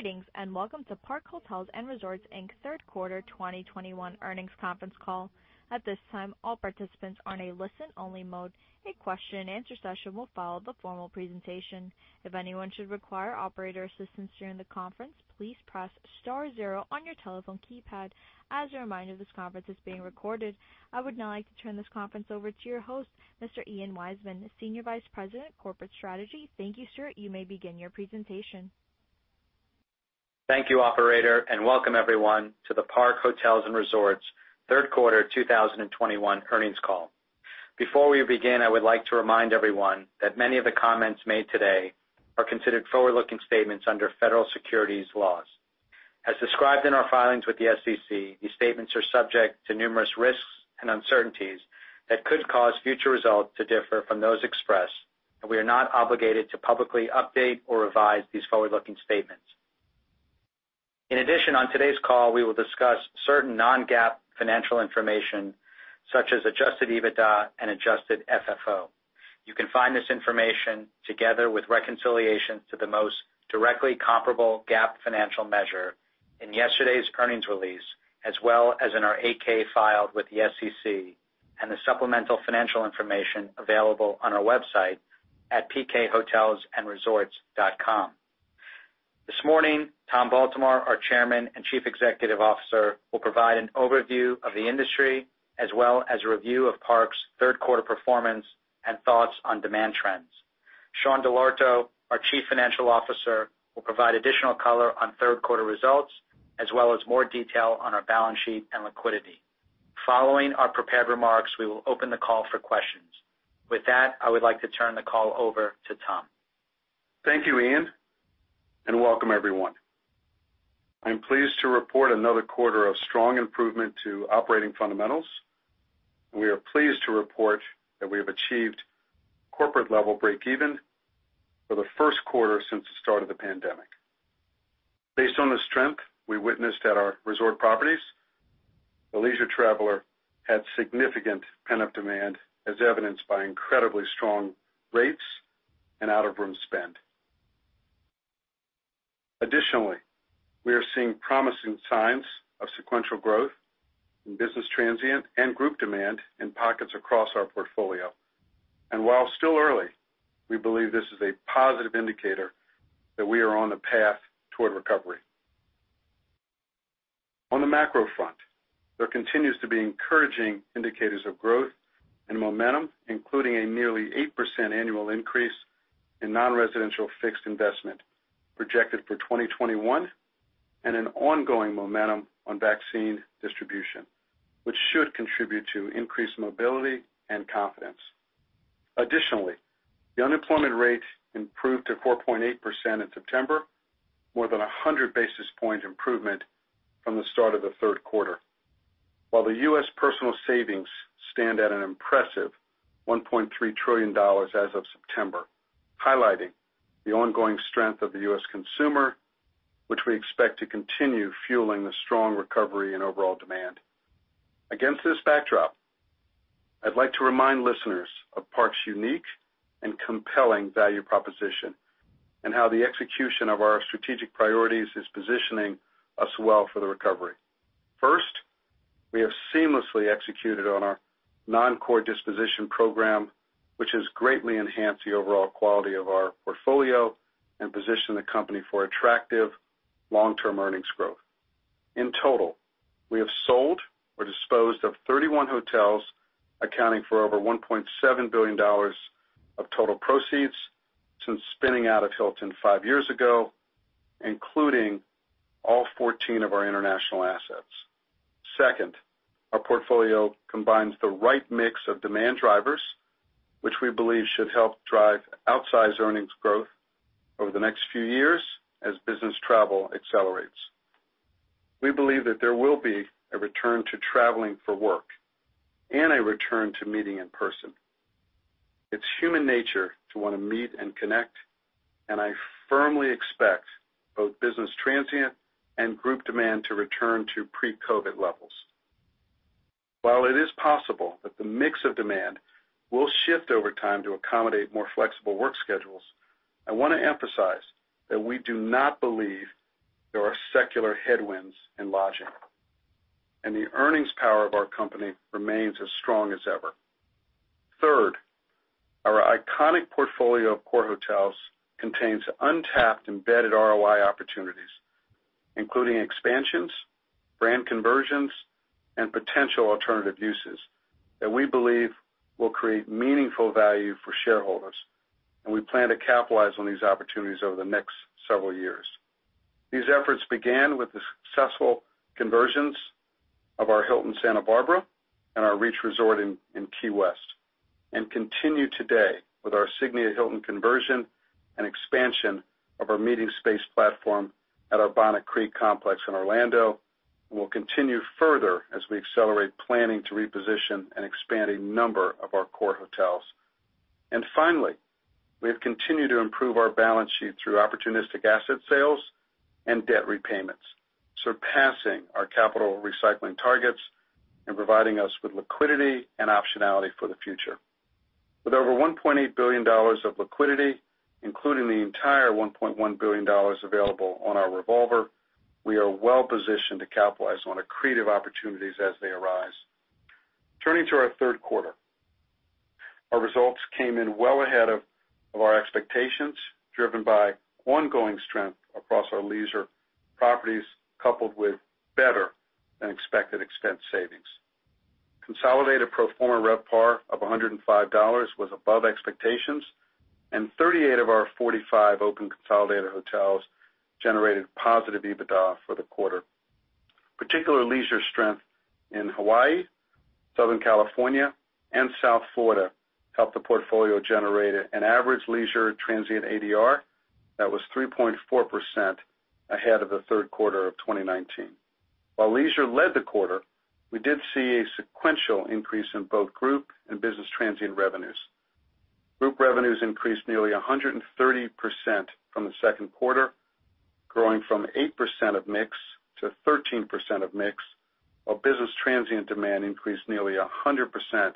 Greetings, and welcome to Park Hotels & Resorts Inc.'s Third Quarter 2021 Earnings Conference Call. At this time, all participants are in a listen-only mode. A question and answer session will follow the formal presentation. If anyone should require operator assistance during the conference, please press star zero on your telephone keypad. As a reminder, this conference is being recorded. I would now like to turn this conference over to your host, Mr. Ian Weissman, Senior Vice President, Corporate Strategy. Thank you, sir. You may begin your presentation. Thank you, operator, and welcome everyone to the Park Hotels & Resorts Third Quarter 2021 Earnings Call. Before we begin, I would like to remind everyone that many of the comments made today are considered forward-looking statements under federal securities laws. As described in our filings with the SEC, these statements are subject to numerous risks and uncertainties that could cause future results to differ from those expressed, and we are not obligated to publicly update or revise these forward-looking statements. In addition, on today's call, we will discuss certain non-GAAP financial information, such as Adjusted EBITDA and adjusted FFO. You can find this information together with reconciliation to the most directly comparable GAAP financial measure in yesterday's earnings release, as well as in our 8-K filed with the SEC and the supplemental financial information available on our website at pkhotelsandresorts.com. This morning, Tom Baltimore, our Chairman and Chief Executive Officer, will provide an overview of the industry, as well as a review of Park's third quarter performance and thoughts on demand trends. Sean Dell'Orto, our Chief Financial Officer, will provide additional color on third quarter results, as well as more detail on our balance sheet and liquidity. Following our prepared remarks, we will open the call for questions. With that, I would like to turn the call over to Tom. Thank you, Ian, and welcome everyone. I'm pleased to report another quarter of strong improvement to operating fundamentals, and we are pleased to report that we have achieved corporate level breakeven for the first quarter since the start of the pandemic. Based on the strength we witnessed at our resort properties, the leisure traveler had significant pent-up demand as evidenced by incredibly strong rates and out-of-room spend. Additionally, we are seeing promising signs of sequential growth in business transient and group demand in pockets across our portfolio. While still early, we believe this is a positive indicator that we are on the path toward recovery. On the macro front, there continues to be encouraging indicators of growth and momentum, including a nearly 8% annual increase in non-residential fixed investment projected for 2021 and an ongoing momentum on vaccine distribution, which should contribute to increased mobility and confidence. Additionally, the unemployment rate improved to 4.8% in September, more than 100 basis point improvement from the start of the third quarter. While the U.S. personal savings stand at an impressive $1.3 trillion as of September, highlighting the ongoing strength of the U.S. consumer, which we expect to continue fueling the strong recovery and overall demand. Against this backdrop, I'd like to remind listeners of Park's unique and compelling value proposition and how the execution of our strategic priorities is positioning us well for the recovery. First, we have seamlessly executed on our non-core disposition program, which has greatly enhanced the overall quality of our portfolio and positioned the company for attractive long-term earnings growth. In total, we have sold or disposed of 31 hotels, accounting for over $1.7 billion of total proceeds since spinning out of Hilton five years ago, including all 14 of our international assets. Second, our portfolio combines the right mix of demand drivers, which we believe should help drive outsized earnings growth over the next few years as business travel accelerates. We believe that there will be a return to traveling for work and a return to meeting in person. It's human nature to wanna meet and connect, and I firmly expect both business transient and group demand to return to pre-COVID levels. While it is possible that the mix of demand will shift over time to accommodate more flexible work schedules, I wanna emphasize that we do not believe there are secular headwinds in lodging, and the earnings power of our company remains as strong as ever. Third, our iconic portfolio of core hotels contains untapped embedded ROI opportunities, including expansions, brand conversions, and potential alternative uses that we believe will create meaningful value for shareholders, and we plan to capitalize on these opportunities over the next several years. These efforts began with the successful conversions of our Hilton Santa Barbara and our Reach Resort in Key West, and continue today with our Signia by Hilton conversion and expansion of our meeting space platform at our Bonnet Creek complex in Orlando, and will continue further as we accelerate planning to reposition and expand a number of our core hotels. Finally, we have continued to improve our balance sheet through opportunistic asset sales and debt repayments, surpassing our capital recycling targets and providing us with liquidity and optionality for the future. With over $1.8 billion of liquidity, including the entire $1.1 billion available on our revolver, we are well positioned to capitalize on accretive opportunities as they arise. Turning to our third quarter. Our results came in well ahead of our expectations, driven by ongoing strength across our leisure properties, coupled with better-than-expected expense savings. Consolidated pro forma RevPAR of $105 was above expectations, and 38 of our 45 open consolidated hotels generated positive EBITDA for the quarter. Particular leisure strength in Hawaii, Southern California, and South Florida helped the portfolio generate an average leisure transient ADR that was 3.4% ahead of the third quarter of 2019. While leisure led the quarter, we did see a sequential increase in both group and business transient revenues. Group revenues increased nearly 130% from the second quarter, growing from 8% of mix to 13% of mix, while business transient demand increased nearly 100%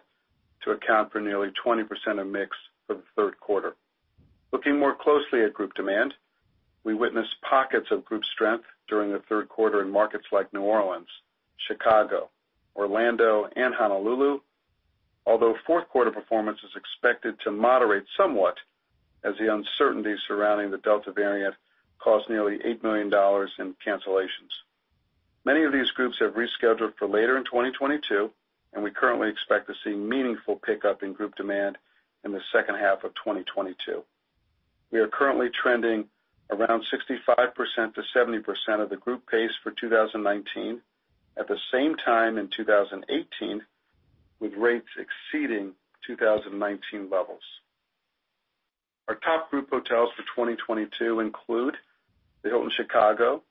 to account for nearly 20% of mix for the third quarter. Looking more closely at group demand, we witnessed pockets of group strength during the third quarter in markets like New Orleans, Chicago, Orlando, and Honolulu. Although fourth quarter performance is expected to moderate somewhat as the uncertainty surrounding the Delta variant caused nearly $8 million in cancellations. Many of these groups have rescheduled for later in 2022, and we currently expect to see meaningful pickup in group demand in the second half of 2022. We are currently trending around 65%-70% of the group pace for 2019, at the same time in 2018, with rates exceeding 2019 levels. Our top group hotels for 2022 include the Hilton Chicago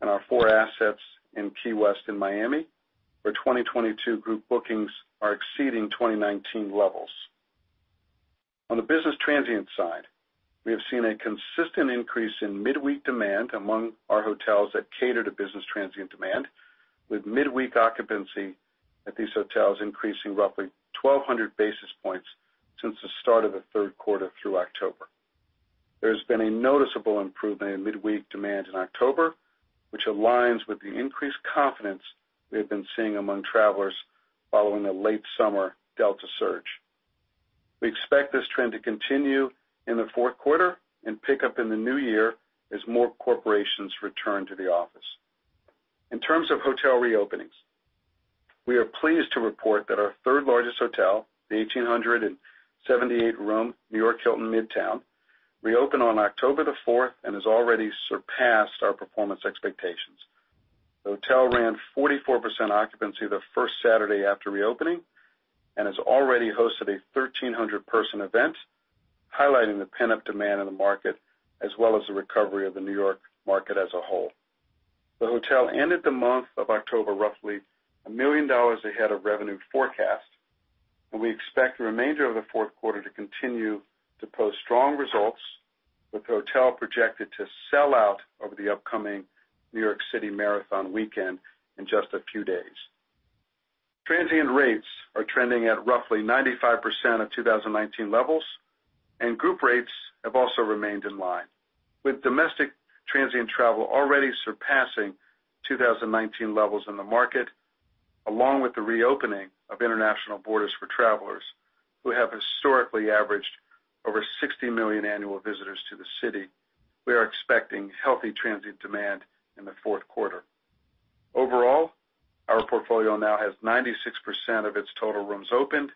and our four assets in Key West and Miami, where 2022 group bookings are exceeding 2019 levels. On the business transient side, we have seen a consistent increase in midweek demand among our hotels that cater to business transient demand, with midweek occupancy at these hotels increasing roughly 1,200 basis points since the start of the third quarter through October. There's been a noticeable improvement in midweek demand in October, which aligns with the increased confidence we have been seeing among travelers following a late summer Delta surge. We expect this trend to continue in the fourth quarter and pick up in the new year as more corporations return to the office. In terms of hotel reopenings, we are pleased to report that our third largest hotel, the 1,878-room New York Hilton Midtown, reopened on October 4 and has already surpassed our performance expectations. The hotel ran 44% occupancy the first Saturday after reopening and has already hosted a 1,300-person event, highlighting the pent-up demand in the market, as well as the recovery of the New York market as a whole. The hotel ended the month of October roughly $1 million ahead of revenue forecast, and we expect the remainder of the fourth quarter to continue to post strong results, with the hotel projected to sell out over the upcoming New York City Marathon weekend in just a few days. Transient rates are trending at roughly 95% of 2019 levels, and group rates have also remained in line. With domestic transient travel already surpassing 2019 levels in the market, along with the reopening of international borders for travelers who have historically averaged over 60 million annual visitors to the city, we are expecting healthy transient demand in the fourth quarter. Overall, our portfolio now has 96% of its total rooms opened,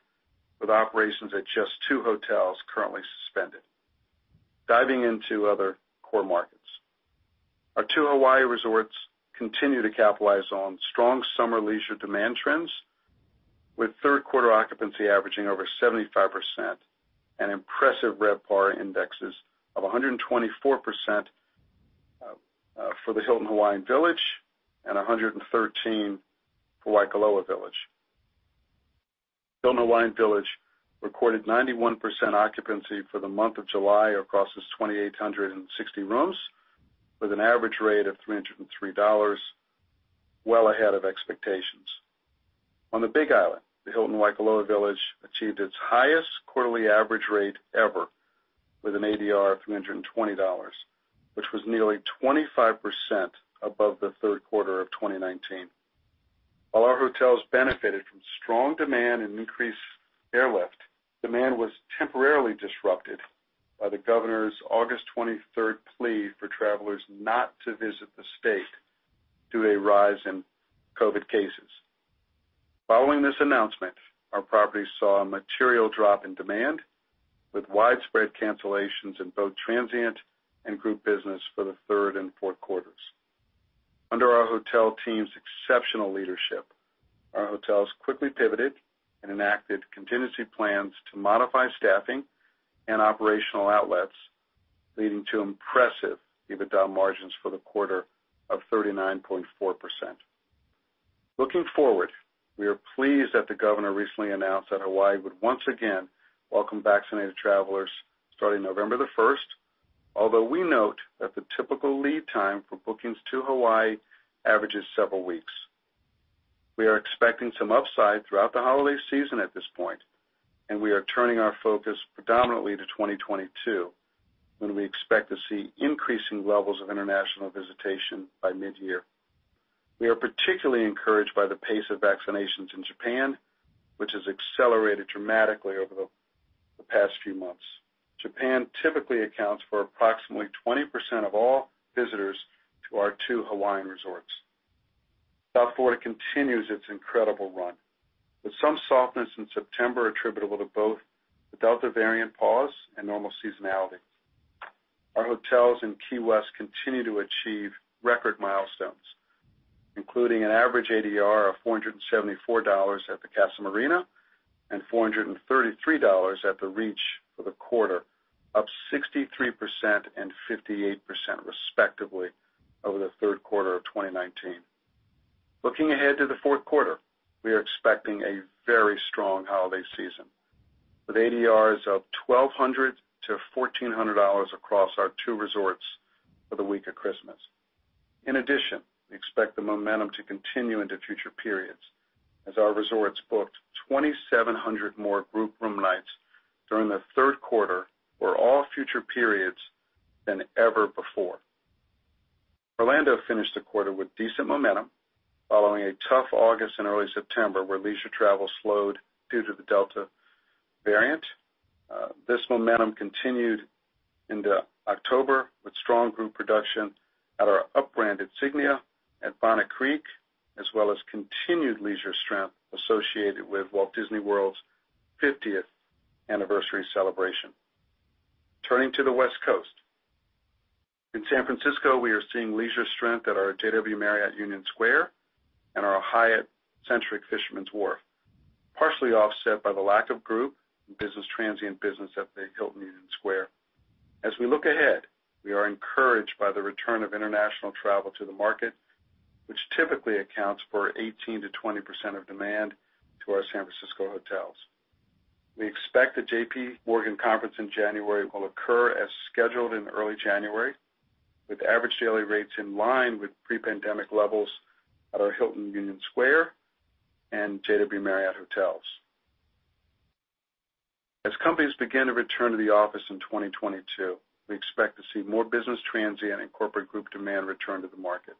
with operations at just two hotels currently suspended. Diving into other core markets. Our two Hawaii resorts continue to capitalize on strong summer leisure demand trends, with third quarter occupancy averaging over 75% and impressive RevPAR indexes of 124% for the Hilton Hawaiian Village and 113% for Waikoloa Village. Hilton Hawaiian Village recorded 91% occupancy for the month of July across its 2,860 rooms with an average rate of $303, well ahead of expectations. On the Big Island, the Hilton Waikoloa Village achieved its highest quarterly average rate ever with an ADR of $320, which was nearly $25 above the third quarter of 2019. While our hotels benefited from strong demand and increased airlift, demand was temporarily disrupted by the governor's August 23 plea for travelers not to visit the state due to a rise in COVID cases. Following this announcement, our properties saw a material drop in demand, with widespread cancellations in both transient and group business for the third and fourth quarters. Under our hotel team's exceptional leadership, our hotels quickly pivoted and enacted contingency plans to modify staffing and operational outlets, leading to impressive EBITDA margins for the quarter of 39.4%. Looking forward, we are pleased that the governor recently announced that Hawaii would once again welcome vaccinated travelers starting November 1. Although we note that the typical lead time for bookings to Hawaii averages several weeks. We are expecting some upside throughout the holiday season at this point, and we are turning our focus predominantly to 2022, when we expect to see increasing levels of international visitation by mid-year. We are particularly encouraged by the pace of vaccinations in Japan, which has accelerated dramatically over the past few months. Japan typically accounts for approximately 20% of all visitors to our two Hawaiian resorts. South Florida continues its incredible run, with some softness in September attributable to both the Delta variant pause and normal seasonality. Our hotels in Key West continue to achieve record milestones, including an average ADR of $474 at the Casa Marina and $433 at the Reach for the quarter, up 63% and 58% respectively over the third quarter of 2019. Looking ahead to the fourth quarter, we are expecting a very strong holiday season, with ADRs of $1,200-$1,400 across our two resorts for the week of Christmas. In addition, we expect the momentum to continue into future periods, as our resorts booked 2,700 more group room nights during the third quarter for all future periods than ever before. Orlando finished the quarter with decent momentum following a tough August and early September, where leisure travel slowed due to the Delta variant. This momentum continued into October with strong group production at our up-branded Signia at Bonnet Creek, as well as continued leisure strength associated with Walt Disney World's 50th anniversary celebration. Turning to the West Coast. In San Francisco, we are seeing leisure strength at our JW Marriott Union Square and our Hyatt Centric Fisherman's Wharf, partially offset by the lack of group and business transient business at the Hilton Union Square. As we look ahead, we are encouraged by the return of international travel to the market, which typically accounts for 18%-20% of demand to our San Francisco hotels. We expect the J.P.Morgan conference in January will occur as scheduled in early January, with average daily rates in line with pre-pandemic levels at our Hilton San Francisco Union Square and JW Marriott San Francisco Union Square hotels. As companies begin to return to the office in 2022, we expect to see more business transient and corporate group demand return to the market.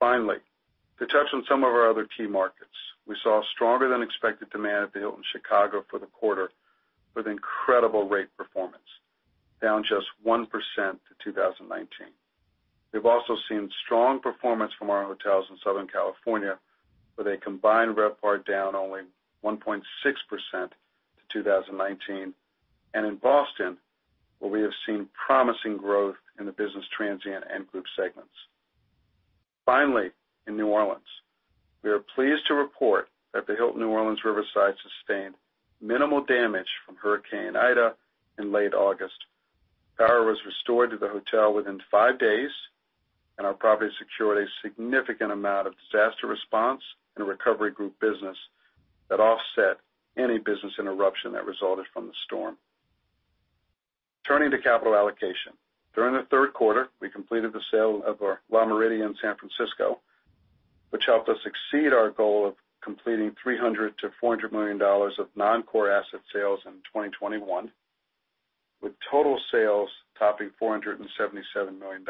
Finally, to touch on some of our other key markets, we saw stronger than expected demand at the Hilton Chicago for the quarter, with incredible rate performance, down just 1% to 2019. We've also seen strong performance from our hotels in Southern California, with a combined RevPAR down only 1.6% to 2019, and in Boston, where we have seen promising growth in the business transient and group segments. Finally, in New Orleans, we are pleased to report that the Hilton New Orleans Riverside sustained minimal damage from Hurricane Ida in late August. Power was restored to the hotel within 5 days, and our property secured a significant amount of disaster response and recovery group business that offset any business interruption that resulted from the storm. Turning to capital allocation. During the third quarter, we completed the sale of our Le Méridien San Francisco, which helped us exceed our goal of completing $300 million-$400 million of non-core asset sales in 2021, with total sales topping $477 million.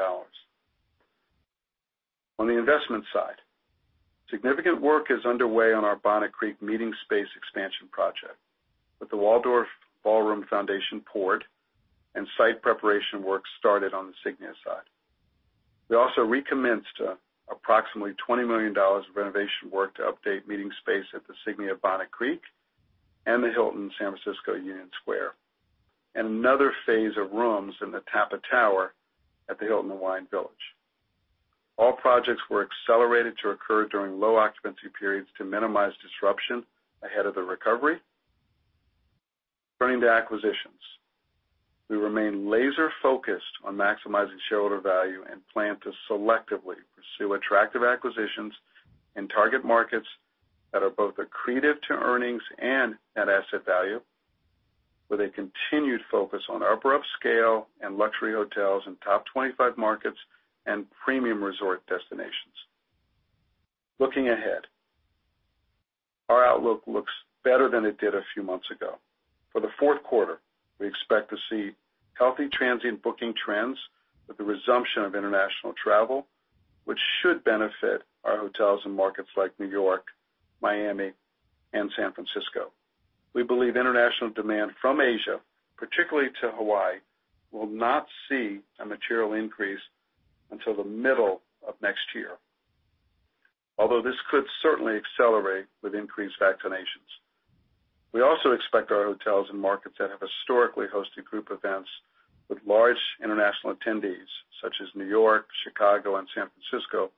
On the investment side, significant work is underway on our Bonnet Creek meeting space expansion project, with the Waldorf Ballroom foundation poured and site preparation work started on the Signia side. We also recommenced approximately $20 million of renovation work to update meeting space at the Signia Bonnet Creek and the Hilton San Francisco Union Square, and another phase of rooms in the Tapa Tower at the Hilton Hawaiian Village. All projects were accelerated to occur during low occupancy periods to minimize disruption ahead of the recovery. Turning to acquisitions. We remain laser focused on maximizing shareholder value and plan to selectively pursue attractive acquisitions in target markets that are both accretive to earnings and net asset value, with a continued focus on upper upscale and luxury hotels in top 25 markets and premium resort destinations. Looking ahead, our outlook looks better than it did a few months ago. For the fourth quarter, we expect to see healthy transient booking trends with the resumption of international travel, which should benefit our hotels in markets like New York, Miami, and San Francisco. We believe international demand from Asia, particularly to Hawaii, will not see a material increase until the middle of next year, although this could certainly accelerate with increased vaccinations. We also expect our hotels in markets that have historically hosted group events with large international attendees, such as New York, Chicago, and San Francisco,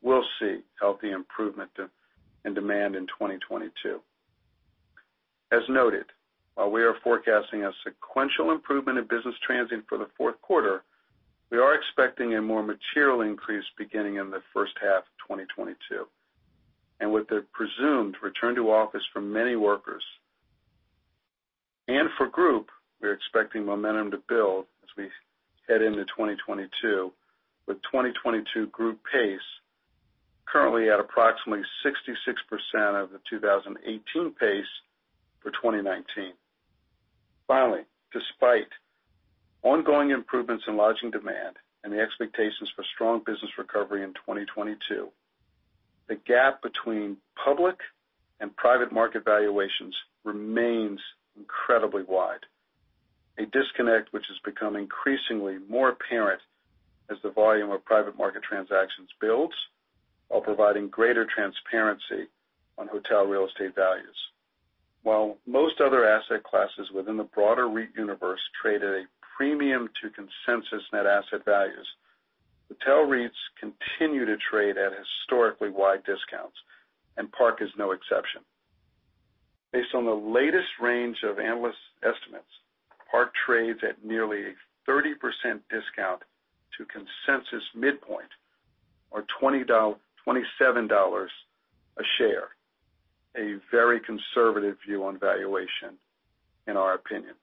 will see healthy improvement in demand in 2022. As noted, while we are forecasting a sequential improvement in business transient for the fourth quarter, we are expecting a more material increase beginning in the first half of 2022. With the presumed return to office for many workers. For group, we're expecting momentum to build as we head into 2022, with 2022 group pace currently at approximately 66% of the 2018 pace for 2019. Finally, despite ongoing improvements in lodging demand and the expectations for strong business recovery in 2022, the gap between public and private market valuations remains incredibly wide. A disconnect which has become increasingly more apparent as the volume of private market transactions builds while providing greater transparency on hotel real estate values. While most other asset classes within the broader REIT universe trade at a premium to consensus net asset values, hotel REITs continue to trade at historically wide discounts, and Park is no exception. Based on the latest range of analyst estimates, Park trades at nearly a 30% discount to consensus midpoint or $27 a share. A very conservative view on valuation in our opinion.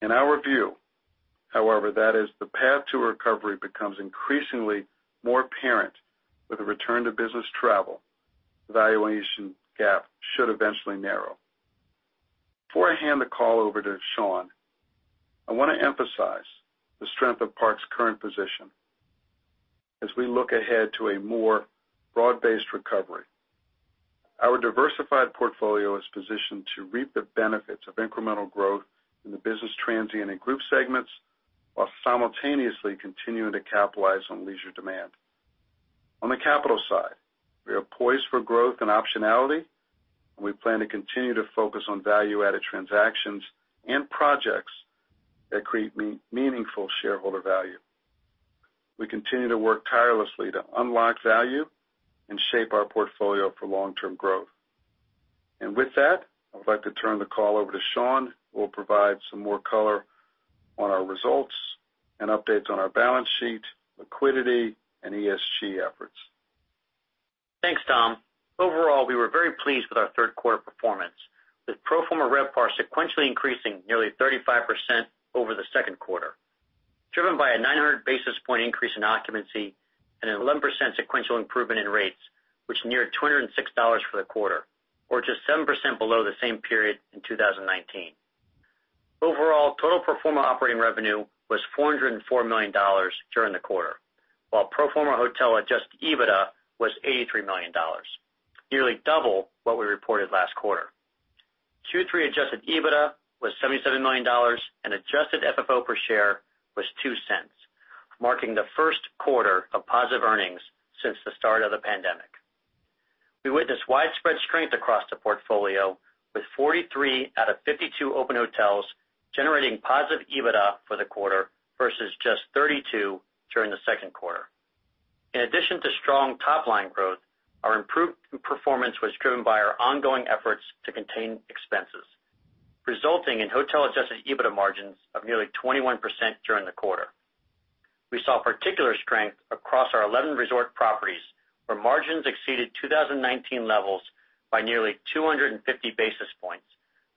In our view, however, that as the path to recovery becomes increasingly more apparent with a return to business travel, the valuation gap should eventually narrow. Before I hand the call over to Sean, I wanna emphasize the strength of Park's current position as we look ahead to a more broad-based recovery. Our diversified portfolio is positioned to reap the benefits of incremental growth in the business transient and group segments, while simultaneously continuing to capitalize on leisure demand. On the capital side, we are poised for growth and optionality, and we plan to continue to focus on value-added transactions and projects that create meaningful shareholder value. We continue to work tirelessly to unlock value and shape our portfolio for long-term growth. With that, I would like to turn the call over to Sean, who will provide some more color on our results and updates on our balance sheet, liquidity, and ESG efforts. Thanks, Tom. Overall, we were very pleased with our third quarter performance, with pro forma RevPAR sequentially increasing nearly 35% over the second quarter, driven by a 900 basis point increase in occupancy and an 11% sequential improvement in rates, which neared $206 for the quarter, or just 7% below the same period in 2019. Overall, total pro forma operating revenue was $404 million during the quarter, while pro forma hotel Adjusted EBITDA was $83 million, nearly double what we reported last quarter. Q3 Adjusted EBITDA was $77 million, and adjusted FFO per share was $0.02, marking the first quarter of positive earnings since the start of the pandemic. We witnessed widespread strength across the portfolio, with 43 out of 52 open hotels generating positive EBITDA for the quarter versus just 32 during the second quarter. In addition to strong top-line growth, our improved performance was driven by our ongoing efforts to contain expenses, resulting in hotel-adjusted EBITDA margins of nearly 21% during the quarter. We saw particular strength across our 11 resort properties, where margins exceeded 2019 levels by nearly 250 basis points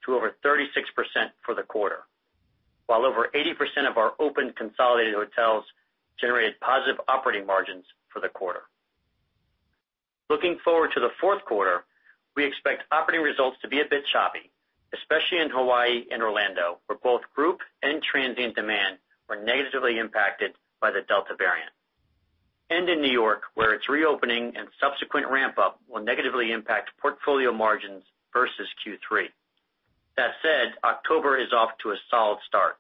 to over 36% for the quarter, while over 80% of our open consolidated hotels generated positive operating margins for the quarter. Looking forward to the fourth quarter, we expect operating results to be a bit choppy, especially in Hawaii and Orlando, where both group and transient demand were negatively impacted by the Delta variant. In New York, where its reopening and subsequent ramp up will negatively impact portfolio margins versus Q3. That said, October is off to a solid start,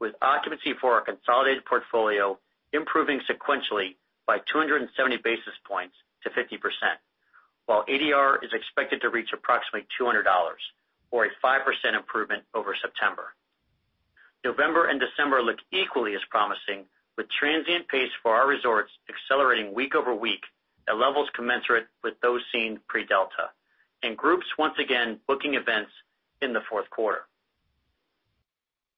with occupancy for our consolidated portfolio improving sequentially by 270 basis points to 50%, while ADR is expected to reach approximately $200 or a 5% improvement over September. November and December look equally as promising, with transient pace for our resorts accelerating week-over-week at levels commensurate with those seen pre-Delta, and groups once again booking events in the fourth quarter.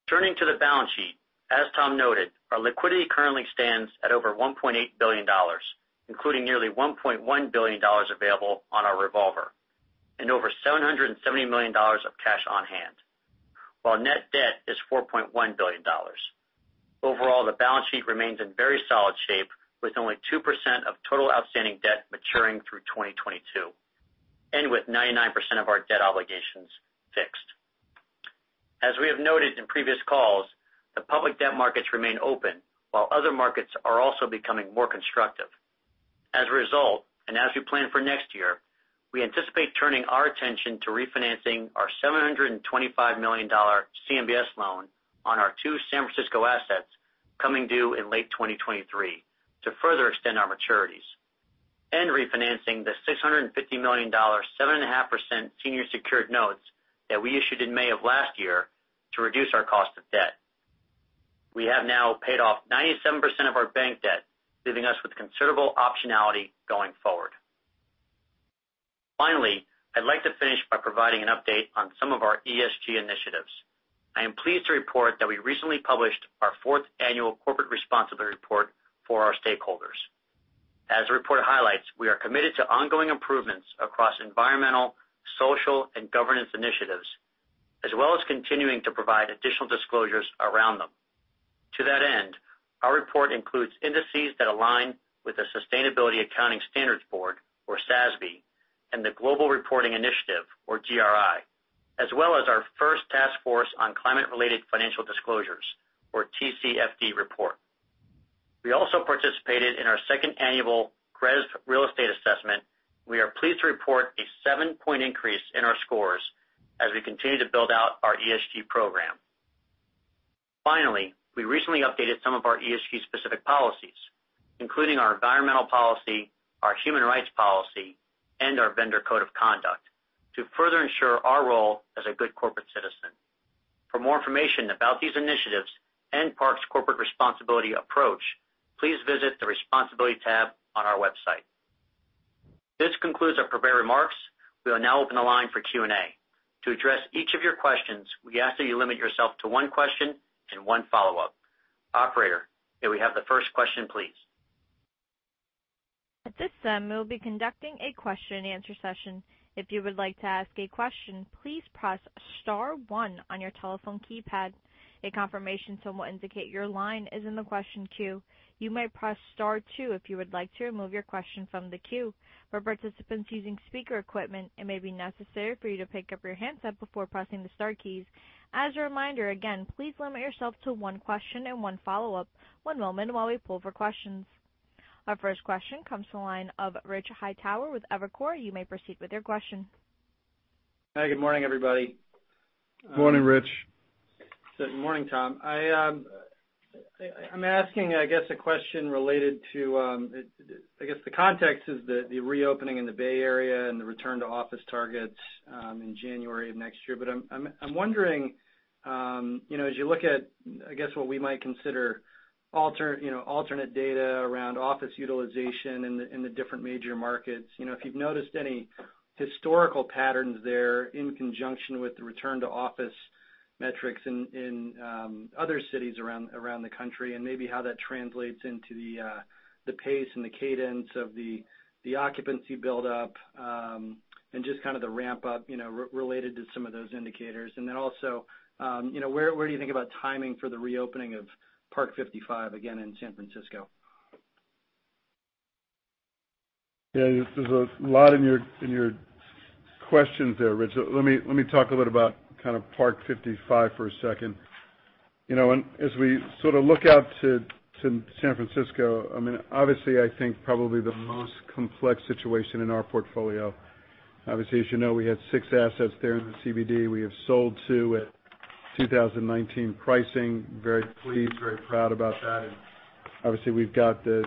Turning to the balance sheet, as Tom noted, our liquidity currently stands at over $1.8 billion, including nearly $1.1 billion available on our revolver and over $770 million of cash on hand, while net debt is $4.1 billion. Overall, the balance sheet remains in very solid shape, with only 2% of total outstanding debt maturing through 2022, and with 99% of our debt obligations fixed. As we have noted in previous calls, the public debt markets remain open, while other markets are also becoming more constructive. As a result, and as we plan for next year, we anticipate turning our attention to refinancing our $725 million CMBS loan on our two San Francisco assets coming due in late 2023 to further extend our maturities, and refinancing the $650 million, 7.5% senior secured notes that we issued in May of last year to reduce our cost of debt. We have now paid off 97% of our bank debt, leaving us with considerable optionality going forward. Finally, I'd like to finish by providing an update on some of our ESG initiatives. I am pleased to report that we recently published our fourth annual corporate responsibility report for our stakeholders. As the report highlights, we are committed to ongoing improvements across environmental, social, and governance initiatives, as well as continuing to provide additional disclosures around them. To that end, our report includes indices that align with the Sustainability Accounting Standards Board, or SASB, and the Global Reporting Initiative, or GRI, as well as our first Task Force on Climate-related Financial Disclosures, or TCFD report. We also participated in our second annual GRESB Real Estate Assessment. We are pleased to report a seven-point increase in our scores as we continue to build out our ESG program. Finally, we recently updated some of our ESG-specific policies, including our environmental policy, our human rights policy, and our vendor code of conduct to further ensure our role as a good corporate citizen. For more information about these initiatives and Park's corporate responsibility approach, please visit the Responsibility tab on our website. This concludes our prepared remarks. We will now open the line for Q&A. To address each of your questions, we ask that you limit yourself to one question and one follow-up. Operator, may we have the first question, please? At this time, we'll be conducting a question-and-answer session. If you would like to ask a question, please press star one on your telephone keypad. A confirmation tone will indicate your line is in the question queue. You may press star two if you would like to remove your question from the queue. For participants using speaker equipment, it may be necessary for you to pick up your handset before pressing the star keys. As a reminder, again, please limit yourself to one question and one follow-up. One moment while we pull for questions. Our first question comes from the line of Rich Hightower with Evercore. You may proceed with your question. Hi, good morning, everybody. Morning, Rich. Good morning, Tom. I'm asking, I guess, a question related to, I guess the context is the reopening in the Bay Area and the return to office targets in January of next year. I'm wondering, you know, as you look at, I guess, what we might consider alternate data around office utilization in the different major markets, you know, if you've noticed any historical patterns there in conjunction with the return to office metrics in other cities around the country and maybe how that translates into the pace and the cadence of the occupancy build up, and just kind of the ramp up, you know, related to some of those indicators. You know, where do you think about timing for the reopening of Parc 55 again in San Francisco? Yeah, there's a lot in your question there, Rich. Let me talk a little about kind of Parc 55 for a second. You know, as we sort of look out to San Francisco, I mean, obviously I think probably the most complex situation in our portfolio. Obviously, as you know, we had six assets there in the CBD. We have sold two at 2019 pricing. Very pleased, very proud about that. Obviously we've got the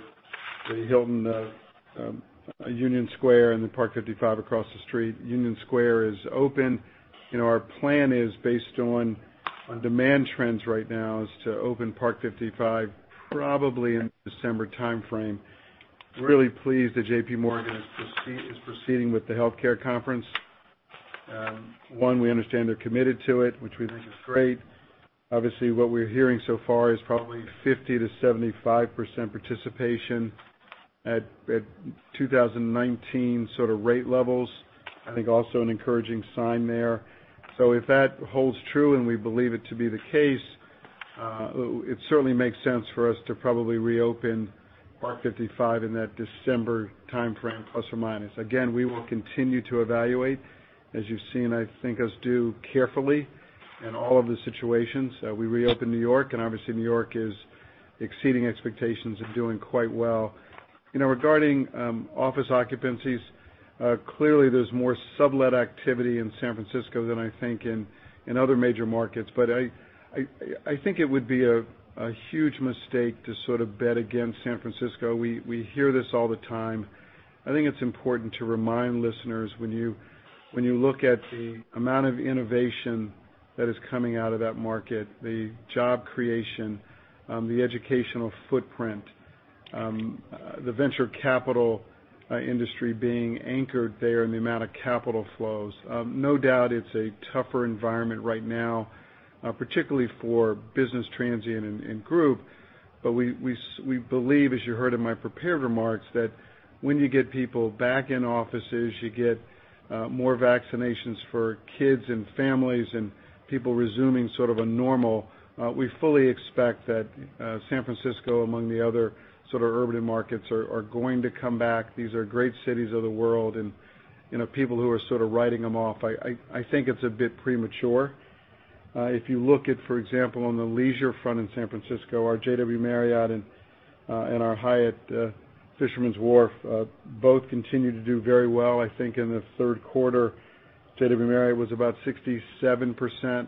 Hilton Union Square and the Parc 55 across the street. Union Square is open. You know, our plan is based on demand trends right now is to open Parc 55 probably in the December timeframe. Really pleased that JP Morgan is proceeding with the healthcare conference. We understand they're committed to it, which we think is great. Obviously, what we're hearing so far is probably 50%-75% participation at 2019 sort of rate levels. I think also an encouraging sign there. If that holds true, and we believe it to be the case, it certainly makes sense for us to probably reopen Parc 55 in that December timeframe, plus or minus. Again, we will continue to evaluate, as you've seen, I think us do carefully in all of the situations. We reopened New York, and obviously New York is exceeding expectations and doing quite well. Regarding office occupancies, clearly there's more sublet activity in San Francisco than I think in other major markets. But I think it would be a huge mistake to sort of bet against San Francisco. We hear this all the time. I think it's important to remind listeners when you look at the amount of innovation that is coming out of that market, the job creation, the educational footprint, the venture capital industry being anchored there and the amount of capital flows. No doubt it's a tougher environment right now, particularly for business transient and group. But we believe, as you heard in my prepared remarks, that when you get people back in offices, you get more vaccinations for kids and families and people resuming sort of a normal, we fully expect that San Francisco, among the other sort of urban markets, are going to come back. These are great cities of the world and, you know, people who are sort of writing them off, I think it's a bit premature. If you look at, for example, on the leisure front in San Francisco, our JW Marriott and our Hyatt Fisherman's Wharf both continue to do very well. I think in the third quarter, JW Marriott was about 67%.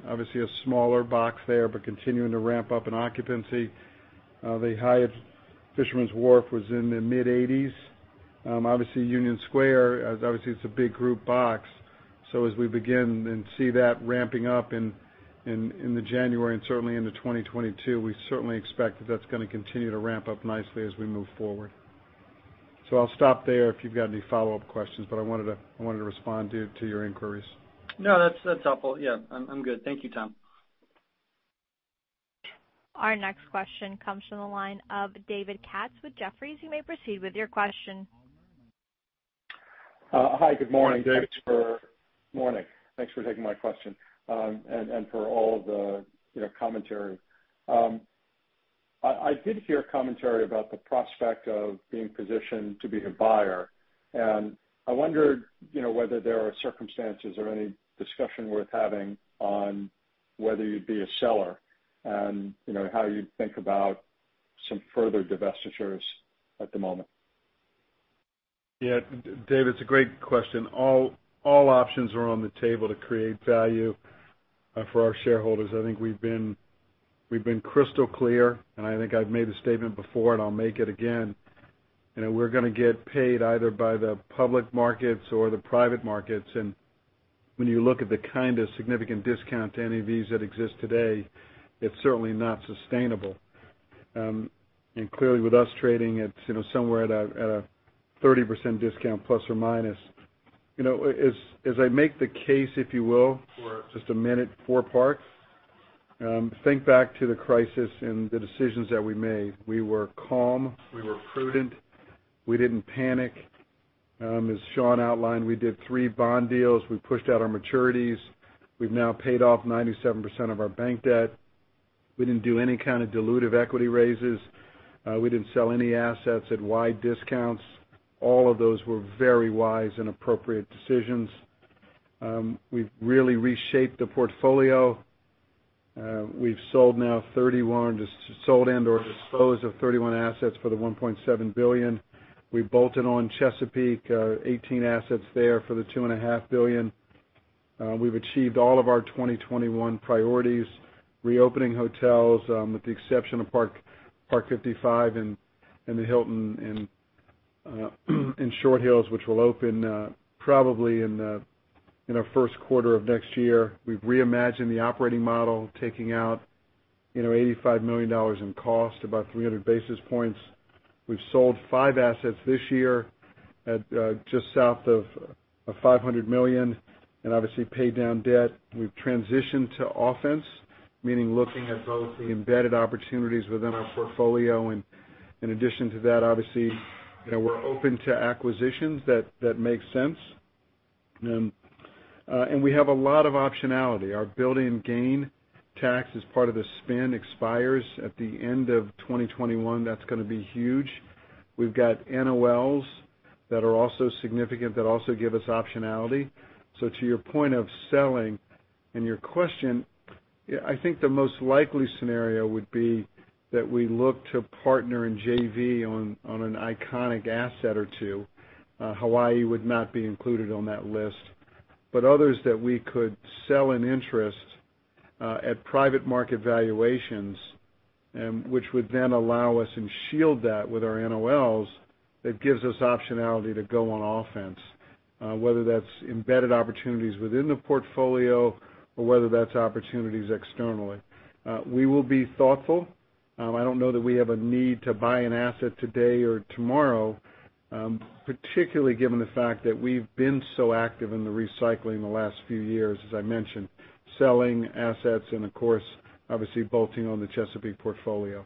Obviously a smaller box there, but continuing to ramp up in occupancy. The Hyatt Fisherman's Wharf was in the mid-80s. Obviously Union Square as obviously it's a big group box, so as we begin and see that ramping up in the January and certainly into 2022, we certainly expect that that's gonna continue to ramp up nicely as we move forward. I'll stop there if you've got any follow-up questions, but I wanted to respond to your inquiries. No, that's helpful. Yeah. I'm good. Thank you, Tom. Our next question comes from the line of David Katz with Jefferies. You may proceed with your question. Hi, good morning. Good morning, David. Morning. Thanks for taking my question, and for all the, you know, commentary. I did hear commentary about the prospect of being positioned to be a buyer. I wondered, you know, whether there are circumstances or any discussion worth having on whether you'd be a seller, and, you know, how you'd think about some further divestitures at the moment. Yeah. David, it's a great question. All options are on the table to create value for our shareholders. I think we've been crystal clear, and I think I've made the statement before, and I'll make it again, you know, we're gonna get paid either by the public markets or the private markets. When you look at the kind of significant discount to NAVs that exist today, it's certainly not sustainable. Clearly, with us trading at, you know, somewhere at a 30% discount plus or minus. You know, as I make the case, if you will, for just a minute, four parts, think back to the crisis and the decisions that we made. We were calm. We were prudent. We didn't panic. As Sean outlined, we did 3 bond deals. We pushed out our maturities. We've now paid off 97% of our bank debt. We didn't do any kind of dilutive equity raises. We didn't sell any assets at wide discounts. All of those were very wise and appropriate decisions. We've really reshaped the portfolio. We've sold and/or disposed of 31 assets for the $1.7 billion. We bolted on Chesapeake, 18 assets there for the $2.5 billion. We've achieved all of our 2021 priorities, reopening hotels, with the exception of Parc 55 and the Hilton in Short Hills, which will open, probably in our first quarter of next year. We've reimagined the operating model, taking out, you know, $85 million in cost, about 300 basis points. We've sold 5 assets this year at just south of $500 million and obviously paid down debt. We've transitioned to offense, meaning looking at both the embedded opportunities within our portfolio, and in addition to that, obviously, you know, we're open to acquisitions that make sense. We have a lot of optionality. Our built-in gain tax as part of the spin expires at the end of 2021. That's gonna be huge. We've got NOLs that are also significant that also give us optionality. To your point of selling and your question, yeah, I think the most likely scenario would be that we look to partner in JV on an iconic asset or two. Hawaii would not be included on that list. Others that we could sell an interest at private market valuations, which would then allow us and shield that with our NOLs, it gives us optionality to go on offense, whether that's embedded opportunities within the portfolio or whether that's opportunities externally. We will be thoughtful. I don't know that we have a need to buy an asset today or tomorrow, particularly given the fact that we've been so active in the recycling the last few years, as I mentioned, selling assets and of course, obviously bolting on the Chesapeake portfolio.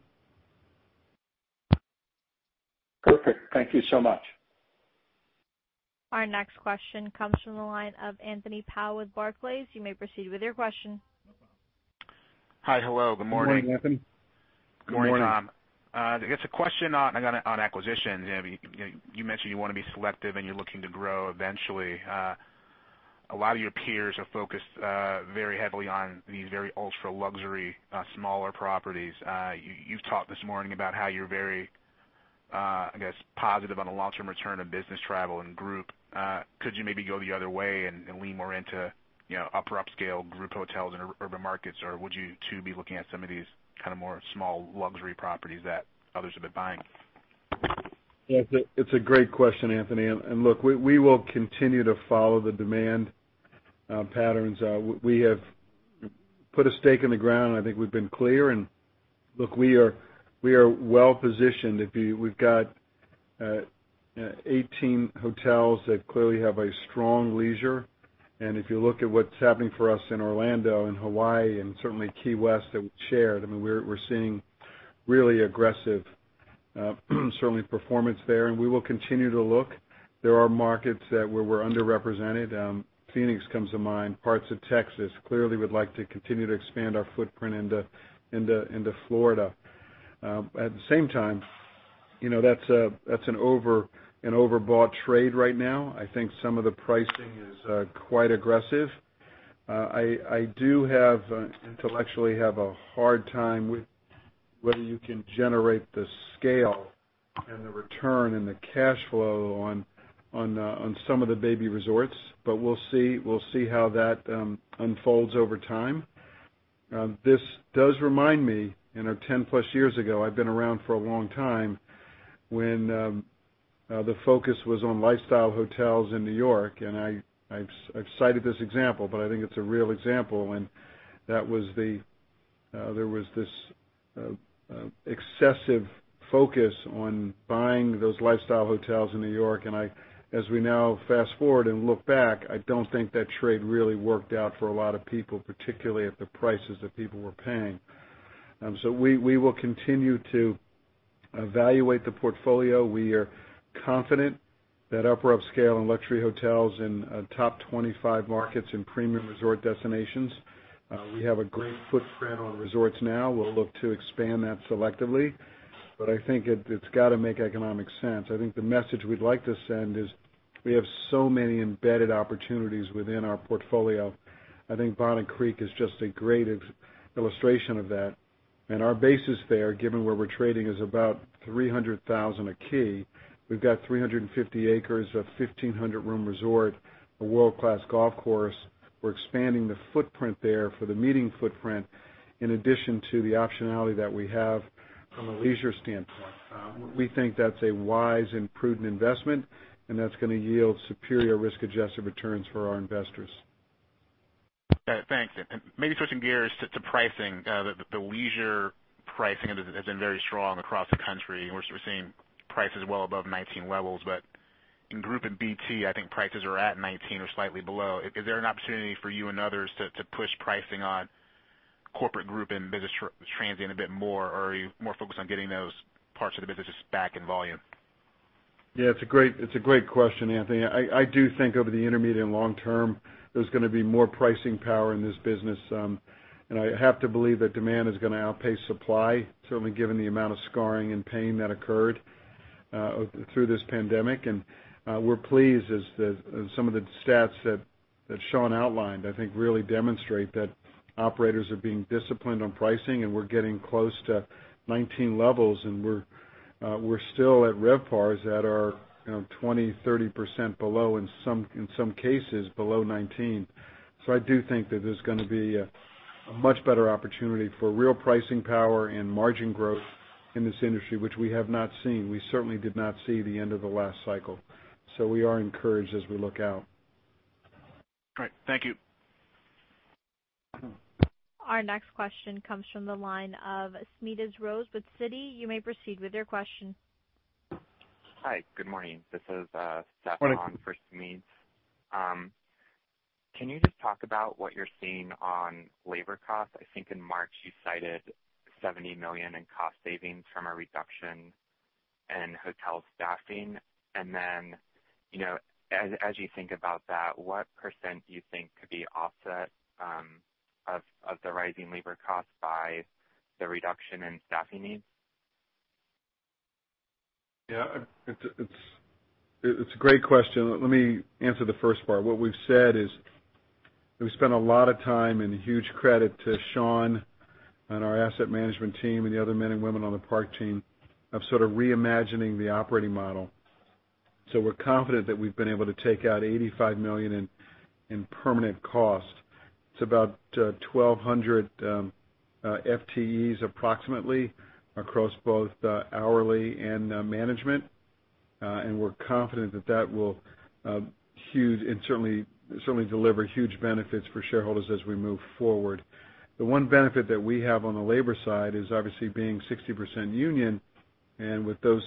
Perfect. Thank you so much. Our next question comes from the line of Anthony Powell with Barclays. You may proceed with your question. Hi. Hello. Good morning. Good morning, Anthony. Good morning. Good morning, Tom. I guess a question on acquisitions. You know, you mentioned you wanna be selective and you're looking to grow eventually. A lot of your peers are focused very heavily on these very ultra-luxury smaller properties. You've talked this morning about how you're very positive on the long-term return of business travel and group. Could you maybe go the other way and lean more into upper upscale group hotels in urban markets, or would you too be looking at some of these kinda more small luxury properties that others have been buying? Yeah. It's a great question, Anthony. Look, we will continue to follow the demand patterns. We have put a stake in the ground, and I think we've been clear. Look, we are well positioned. We've got 18 hotels that clearly have a strong leisure. If you look at what's happening for us in Orlando and Hawaii and certainly Key West that we've shared, I mean, we're seeing really aggressive certainly performance there, and we will continue to look. There are markets where we're underrepresented. Phoenix comes to mind, parts of Texas. Clearly we'd like to continue to expand our footprint into Florida. At the same time, you know, that's an overbought trade right now. I think some of the pricing is quite aggressive. I do have, intellectually, a hard time with whether you can generate the scale and the return and the cash flow on some of the baby resorts, but we'll see. We'll see how that unfolds over time. This does remind me, you know, 10+ years ago. I've been around for a long time, when the focus was on lifestyle hotels in New York. I've cited this example, but I think it's a real example, when there was this excessive focus on buying those lifestyle hotels in New York. As we now fast forward and look back, I don't think that trade really worked out for a lot of people, particularly at the prices that people were paying. We will continue to evaluate the portfolio. We are confident that upper upscale and luxury hotels in top 25 markets and premium resort destinations, we have a great footprint on resorts now. We'll look to expand that selectively. I think it's got to make economic sense. I think the message we'd like to send is we have so many embedded opportunities within our portfolio. I think Bonnet Creek is just a great illustration of that. Our bases there, given where we're trading, is about $300,000 a key. We've got 350 acres of 1,500-room resort, a world-class golf course. We're expanding the footprint there for the meeting footprint in addition to the optionality that we have from a leisure standpoint. We think that's a wise and prudent investment, and that's going to yield superior risk-adjusted returns for our investors. Thanks. Maybe switching gears to pricing. The leisure pricing has been very strong across the country. We're seeing prices well above '19 levels. But in group and BT, I think prices are at '19 or slightly below. Is there an opportunity for you and others to push pricing on corporate group and business transient a bit more, or are you more focused on getting those parts of the businesses back in volume? Yeah, it's a great question, Anthony. I do think over the intermediate and long term, there's going to be more pricing power in this business. I have to believe that demand is going to outpace supply, certainly given the amount of scarring and pain that occurred through this pandemic. We're pleased as some of the stats that Sean outlined, I think really demonstrate that operators are being disciplined on pricing, and we're getting close to 2019 levels. We're still at RevPARs that are, you know, 20%-30% below, in some cases, below 2019. I do think that there's going to be a much better opportunity for real pricing power and margin growth in this industry, which we have not seen. We certainly did not see the end of the last cycle. We are encouraged as we look out. Great. Thank you. Our next question comes from the line of Smedes Rose with Citi. You may proceed with your question. Hi, good morning. This is, Stefan- Morning. For Smedes. Can you just talk about what you're seeing on labor costs? I think in March, you cited $70 million in cost savings from a reduction in hotel staffing. Then, you know, as you think about that, what % do you think could be offset of the rising labor costs by the reduction in staffing needs? It's a great question. Let me answer the first part. What we've said is we spent a lot of time and huge credit to Sean and our asset management team and the other men and women on the Park team of sort of reimagining the operating model. We're confident that we've been able to take out $85 million in permanent costs. It's about 1,200 FTEs approximately across both hourly and management. We're confident that that will huge and certainly deliver huge benefits for shareholders as we move forward. The one benefit that we have on the labor side is obviously being 60% union, and with those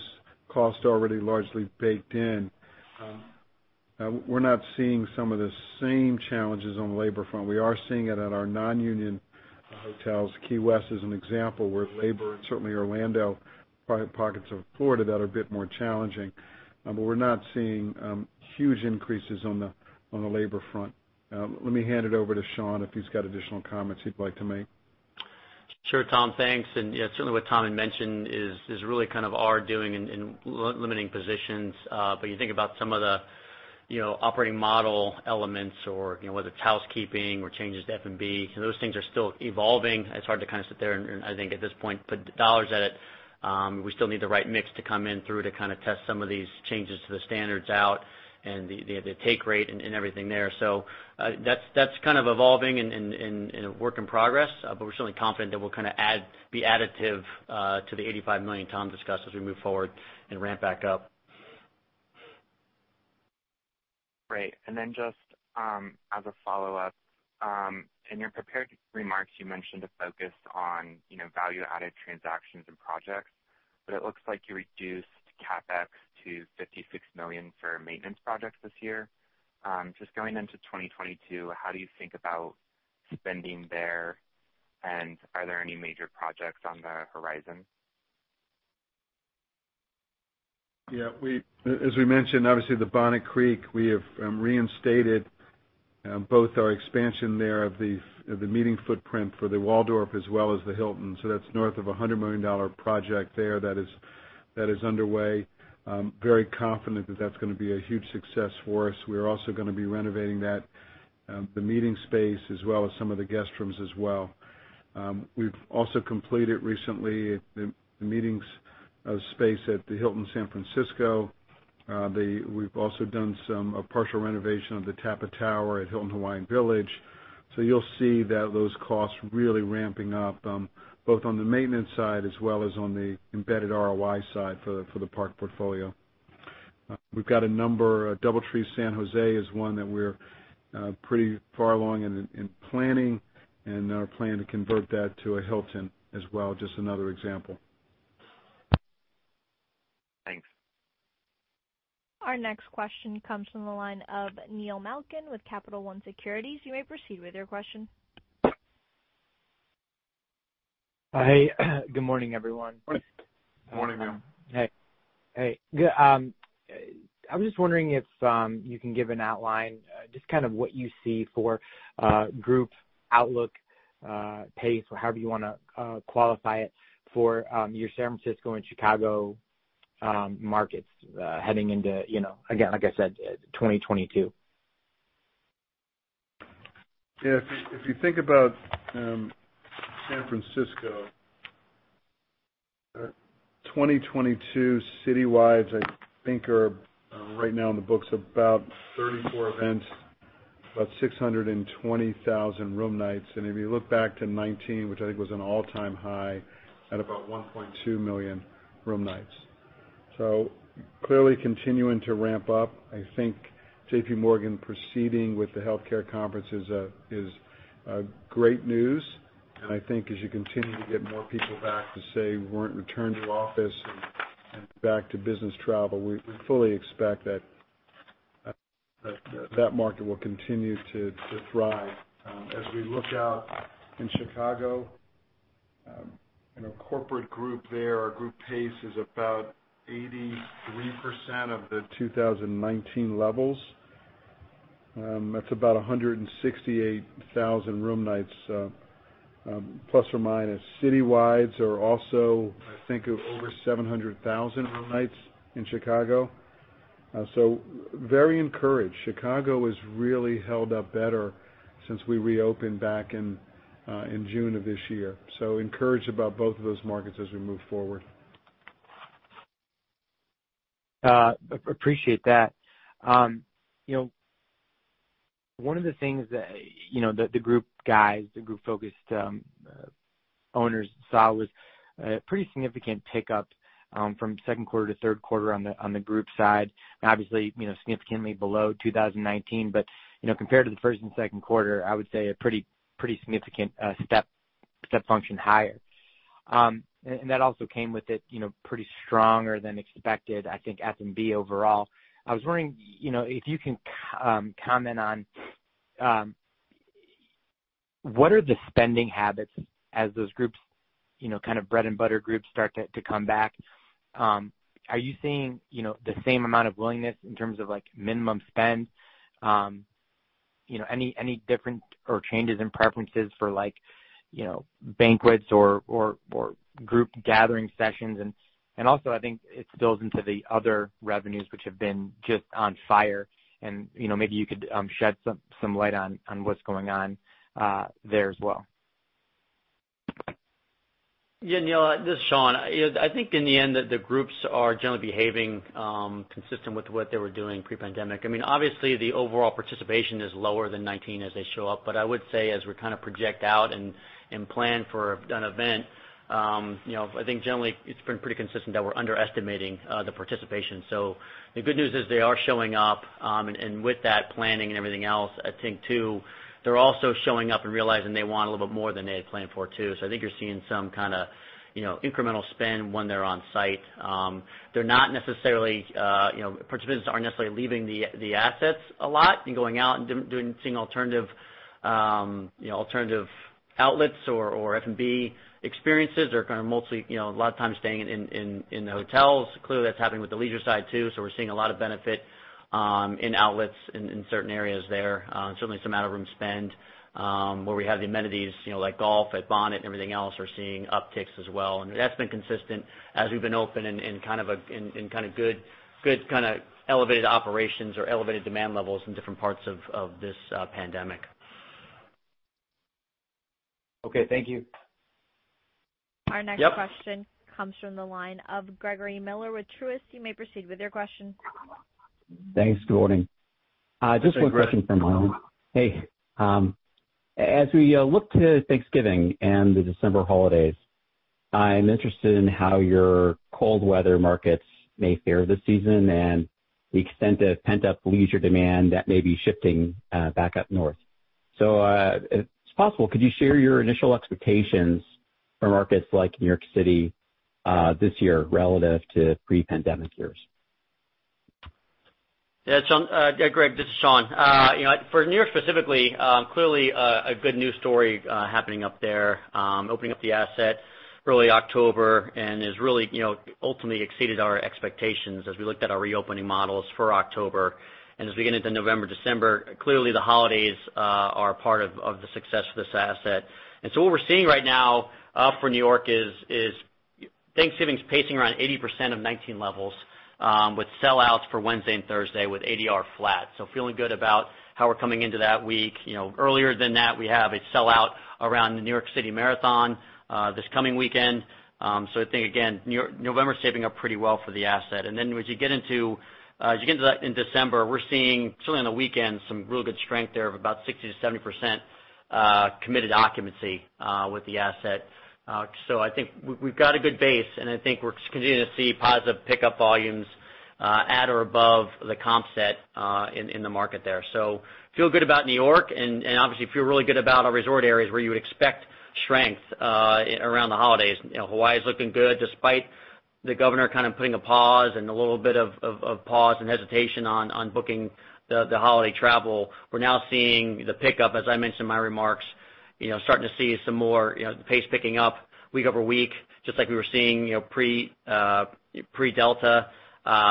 costs already largely baked in, we're not seeing some of the same challenges on the labor front. We are seeing it at our non-union hotels. Key West is an example where labor, and certainly Orlando, pockets of Florida that are a bit more challenging. We're not seeing huge increases on the labor front. Let me hand it over to Sean, if he's got additional comments he'd like to make. Sure, Tom. Thanks. Yeah, certainly what Tom had mentioned is really kind of our doing in limiting positions. You think about some of the, you know, operating model elements or, you know, whether it's housekeeping or changes to F&B. Those things are still evolving. It's hard to kind of sit there and I think at this point, put dollars at it. We still need the right mix to come in through to kind of test some of these changes to the standards out and the take rate and everything there. That's kind of evolving and a work in progress. We're certainly confident that we'll kind of be additive to the $85 million Tom discussed as we move forward and ramp back up. Great. Just, as a follow-up, in your prepared remarks, you mentioned a focus on, you know, value-added transactions and projects, but it looks like you reduced CapEx to $56 million for maintenance projects this year. Just going into 2022, how do you think about spending there? And are there any major projects on the horizon? Yeah, we, as we mentioned, obviously the Bonnet Creek, we have reinstated both our expansion there of the meeting footprint for the Waldorf as well as the Hilton. That's north of $100 million project there that is underway. I'm very confident that that's going to be a huge success for us. We are also going to be renovating that, the meeting space as well as some of the guest rooms as well. We've also completed recently the meetings space at the Hilton San Francisco. We've also done a partial renovation of the Tapa Tower at Hilton Hawaiian Village. You'll see that those costs really ramping up both on the maintenance side as well as on the embedded ROI side for the Park portfolio. We've got a number. A DoubleTree San Jose is one that we're pretty far along in planning, and our plan to convert that to a Hilton as well, just another example. Thanks. Our next question comes from the line of Neil Malkin with Capital One Securities. You may proceed with your question. Hi. Good morning, everyone. Good morning, Neil. Hey, hey. I was just wondering if you can give an outline, just kind of what you see for group outlook, pace or however you wanna qualify it for your San Francisco and Chicago markets, heading into, you know, again, like I said, 2022. Yeah. If you think about San Francisco, 2022 citywides, I think are right now in the books about 34 events, about 620,000 room nights. If you look back to 2019, which I think was an all-time high, at about 1.2 million room nights. Clearly continuing to ramp up. I think J.P. Morgan proceeding with the healthcare conference is great news. I think as you continue to get more people back to, say, return to office and back to business travel, we fully expect that market will continue to thrive. As we look out in Chicago, in our corporate group there, our group pace is about 83% of the 2019 levels. That's about 168,000 room nights, plus or minus. Citywides are also, I think, of over 700,000 room nights in Chicago. Very encouraged. Chicago has really held up better since we reopened back in June of this year. Encouraged about both of those markets as we move forward. Appreciate that. You know, one of the things that, you know, that the group guys, the group-focused owners saw was a pretty significant pickup from second quarter to third quarter on the group side, and obviously, you know, significantly below 2019. You know, compared to the first and second quarter, I would say a pretty significant step function higher. And that also came with it, you know, pretty stronger than expected, I think F&B overall. I was wondering, you know, if you can comment on what are the spending habits as those groups, you know, kind of bread-and-butter groups start to come back? You know, are you seeing the same amount of willingness in terms of, like, minimum spend? You know, any different or changes in preferences for like, you know, banquets or group gathering sessions? Also, I think it spills into the other revenues which have been just on fire and, you know, maybe you could shed some light on what's going on there as well. Yeah, Neil, this is Sean. I think in the end, the groups are generally behaving consistent with what they were doing pre-pandemic. I mean, obviously the overall participation is lower than 2019 as they show up, but I would say as we kind of project out and plan for an event, you know, I think generally it's been pretty consistent that we're underestimating the participation. So the good news is they are showing up, and with that planning and everything else, I think too, they're also showing up and realizing they want a little bit more than they had planned for too. So I think you're seeing some kinda, you know, incremental spend when they're on site. They're not necessarily, you know, participants aren't necessarily leaving the assets a lot and going out and seeing alternative, you know, alternative outlets or F&B experiences. They're kind of mostly, you know, a lot of times staying in the hotels. Clearly, that's happening with the leisure side too. We're seeing a lot of benefit in outlets in certain areas there. Certainly some out-of-room spend where we have the amenities, you know, like golf at Bonnet and everything else. We're seeing upticks as well. That's been consistent as we've been open and kind of a in kind of good kinda elevated operations or elevated demand levels in different parts of this pandemic. Okay, thank you. Our next question comes from the line of Gregory Miller with Truist. You may proceed with your question. Thanks. Good morning. Just one question from my own. Hey, as we look to Thanksgiving and the December holidays, I'm interested in how your cold weather markets may fare this season and the extent of pent-up leisure demand that may be shifting back up north. If it's possible, could you share your initial expectations for markets like New York City this year relative to pre-pandemic years? Yeah, Sean. Yeah, Greg, this is Sean. You know, for New York specifically, clearly a good news story happening up there. Opening up the asset early October and has really, you know, ultimately exceeded our expectations as we looked at our reopening models for October. As we get into November, December, clearly the holidays are part of the success of this asset. What we're seeing right now for New York is Thanksgiving's pacing around 80% of 2019 levels, with sellouts for Wednesday and Thursday with ADR flat. Feeling good about how we're coming into that week. You know, earlier than that, we have a sellout around the New York City Marathon this coming weekend. I think again, November's shaping up pretty well for the asset. As you get into that in December, we're seeing certainly on the weekend some real good strength there of about 60%-70% committed occupancy with the asset. So I think we've got a good base, and I think we're continuing to see positive pickup volumes at or above the comp set in the market there. Feel good about New York and obviously feel really good about our resort areas where you would expect strength around the holidays. You know, Hawaii is looking good despite the governor kind of putting a pause and a little bit of pause and hesitation on booking the holiday travel. We're now seeing the pickup, as I mentioned in my remarks, you know, starting to see some more, you know, the pace picking up week-over-week, just like we were seeing, you know, pre-Delta. Hilton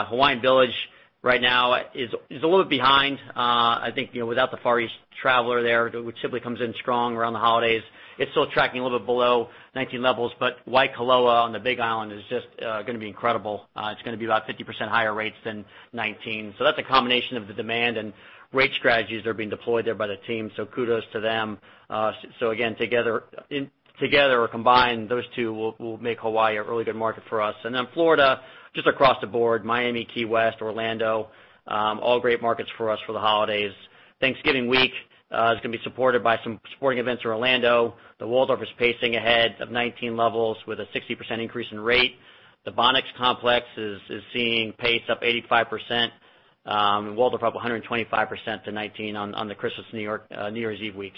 Hawaiian Village right now is a little bit behind. I think, you know, without the Far East traveler there, which typically comes in strong around the holidays, it's still tracking a little bit below '19 levels. Hilton Waikoloa on the Big Island is just gonna be incredible. It's gonna be about 50% higher rates than '19. That's a combination of the demand and rate strategies that are being deployed there by the team. Kudos to them. Again, together or combined, those two will make Hawaii a really good market for us. Florida, just across the board, Miami, Key West, Orlando, all great markets for us for the holidays. Thanksgiving week is gonna be supported by some sporting events in Orlando. The Waldorf is pacing ahead of 2019 levels with a 60% increase in rate. The Bonnet Creek complex is seeing pace up 85%. Waldorf up 125% to 2019 on the Christmas and New Year's Eve week.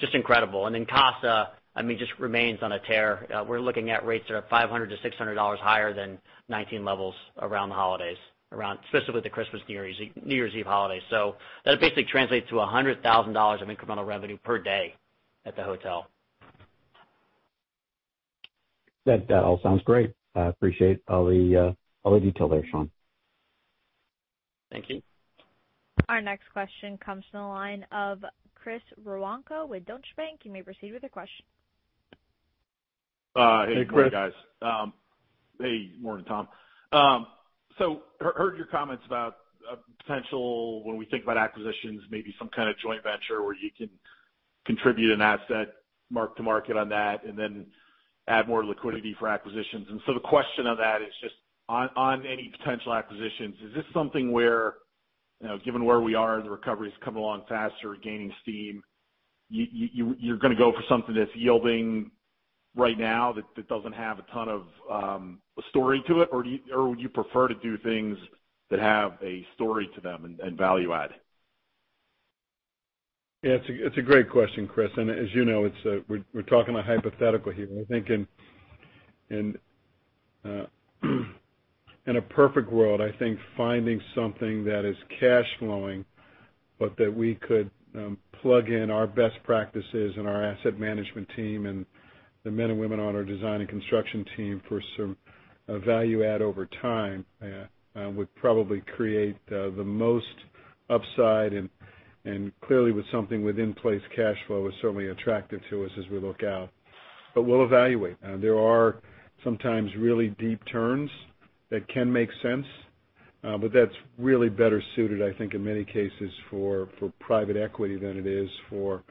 Just incredible. Casa, I mean, just remains on a tear. We're looking at rates that are $500-$600 higher than 2019 levels around the holidays, specifically the Christmas, New Year's Eve holiday. That basically translates to $100,000 of incremental revenue per day at the hotel. That all sounds great. I appreciate all the detail there, Sean. Thank you. Our next question comes from the line of Chris Woronka with Deutsche Bank. You may proceed with your question. Hey, good morning, guys. Hey, Chris. Hey, morning, Tom. Heard your comments about potential when we think about acquisitions, maybe some kind of joint venture where you can contribute an asset mark to market on that and then add more liquidity for acquisitions. The question on that is just on any potential acquisitions, is this something where, you know, given where we are, the recovery is coming along faster, gaining steam, you're gonna go for something that's yielding right now that doesn't have a ton of story to it? Or would you prefer to do things that have a story to them and value add? Yeah, it's a great question, Chris. As you know, we're talking a hypothetical here. I think in a perfect world, I think finding something that is cash flowing, but that we could plug in our best practices and our asset management team and the men and women on our design and construction team for some value add over time would probably create the most upside. Clearly, something with in-place cash flow is certainly attractive to us as we look out. We'll evaluate. There are sometimes really deep turns that can make sense, but that's really better suited, I think, in many cases for private equity than it is for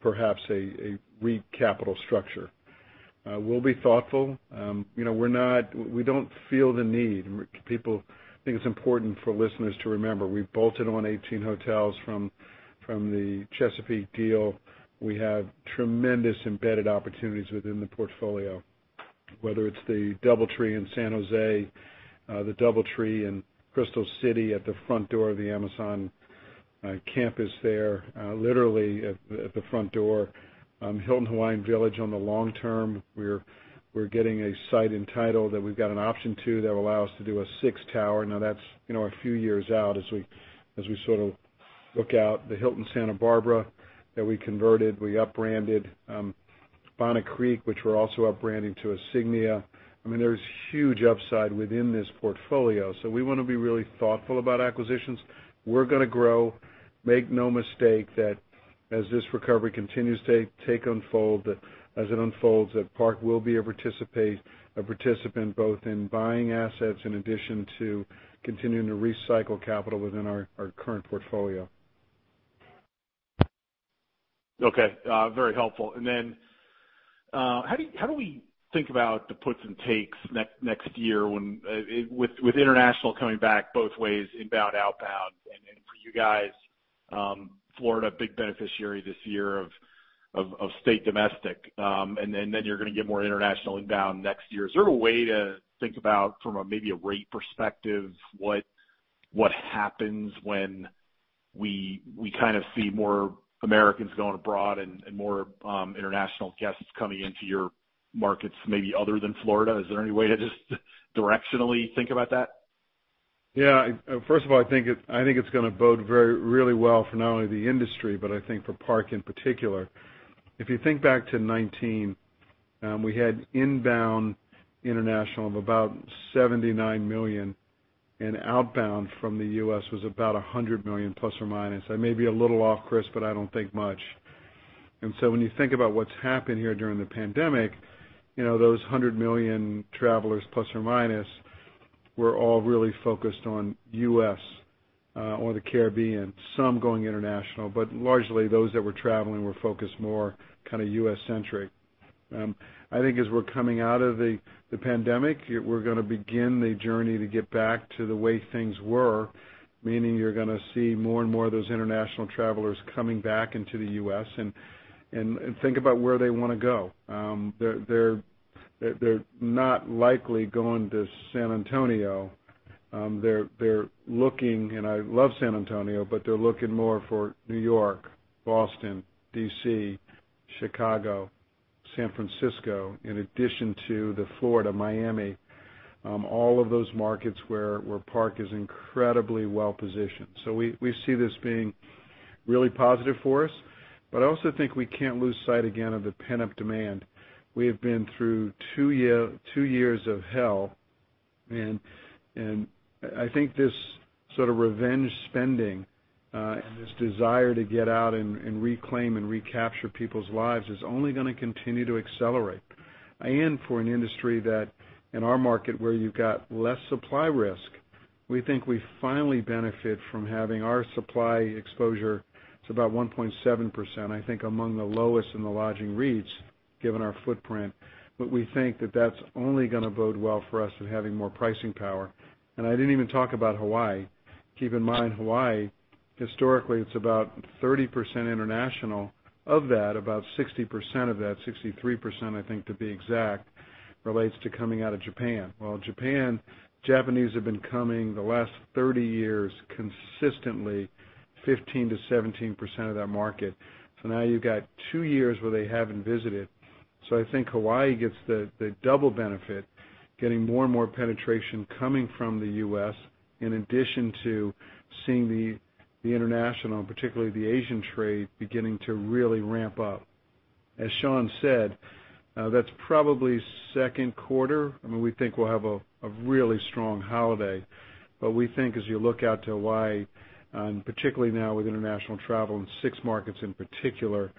perhaps a REIT capital structure. We'll be thoughtful. You know, we don't feel the need. I think it's important for listeners to remember, we've bolted on 18 hotels from the Chesapeake deal. We have tremendous embedded opportunities within the portfolio, whether it's the DoubleTree in San Jose, the DoubleTree in Crystal City at the front door of the Amazon campus there, literally at the front door. Hilton Hawaiian Village on the long term, we're getting a site and title that we've got an option to that will allow us to do a 6 tower. Now that's, you know, a few years out as we sort of look out. The Hilton Santa Barbara that we converted, we up branded. Bonnet Creek, which we're also up branding to a Signia. I mean, there's huge upside within this portfolio. We wanna be really thoughtful about acquisitions. We're gonna grow. Make no mistake that as this recovery continues to, as it unfolds, that Park will be a participant both in buying assets in addition to continuing to recycle capital within our current portfolio. Okay. Very helpful. How do we think about the puts and takes next year when with international coming back both ways, inbound, outbound, and for you guys, Florida, big beneficiary this year of stay domestic. You're gonna get more international inbound next year. Is there a way to think about from a maybe a rate perspective, what happens when we kind of see more Americans going abroad and more international guests coming into your markets, maybe other than Florida? Is there any way to just directionally think about that? Yeah. First of all, I think it's gonna bode really well for not only the industry, but I think for Park in particular. If you think back to 2019, we had inbound international of about 79 million, and outbound from the U.S. was about 100 million plus or minus. I may be a little off, Chris, but I don't think much. When you think about what's happened here during the pandemic, you know, those 100 million travelers plus or minus were all really focused on U.S., or the Caribbean, some going international, but largely those that were traveling were focused more kind of U.S.-centric. I think as we're coming out of the pandemic, we're gonna begin the journey to get back to the way things were, meaning you're gonna see more and more of those international travelers coming back into the U.S. and think about where they wanna go. They're not likely going to San Antonio. They're looking, and I love San Antonio, but they're looking more for New York, Boston, D.C., Chicago, San Francisco, in addition to the Florida, Miami, all of those markets where Park is incredibly well-positioned. We see this being really positive for us. I also think we can't lose sight again of the pent-up demand. We have been through two years of hell, and I think this sort of revenge spending and this desire to get out and reclaim and recapture people's lives is only gonna continue to accelerate. For an industry that, in our market where you've got less supply risk, we think we finally benefit from having our supply exposure to about 1.7%, I think, among the lowest in the lodging REITs, given our footprint. We think that that's only gonna bode well for us in having more pricing power. I didn't even talk about Hawaii. Keep in mind, Hawaii, historically, it's about 30% international. Of that, about 60% of that, 63%, I think, to be exact, relates to coming out of Japan. Well, Japan, Japanese have been coming the last 30 years, consistently 15%-17% of that market. Now you've got 2 years where they haven't visited. I think Hawaii gets the double benefit, getting more and more penetration coming from the U.S., in addition to seeing the international, particularly the Asian trade, beginning to really ramp up. As Sean said, that's probably second quarter. I mean, we think we'll have a really strong holiday. We think as you look out to Hawaii, particularly now with international travel in 6 markets, in particular,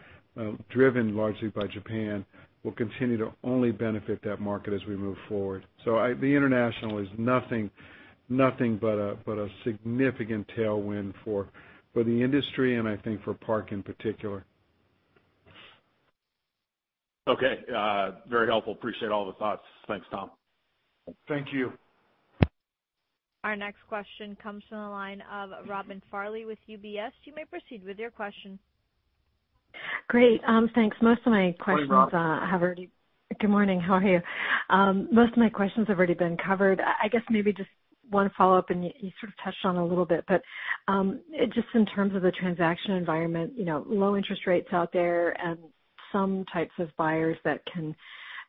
driven largely by Japan, will continue to only benefit that market as we move forward. The international is nothing but a significant tailwind for the industry and I think for Park in particular. Okay. Very helpful. I appreciate all the thoughts. Thanks, Tom. Thank you. Our next question comes from the line of Robin Farley with UBS. You may proceed with your question. Great. Thanks. Most of my questions have already- Morning, Robin. Good morning. How are you? Most of my questions have already been covered. I guess maybe just one follow-up, and you sort of touched on a little bit. Just in terms of the transaction environment, you know, low interest rates out there and some types of buyers that can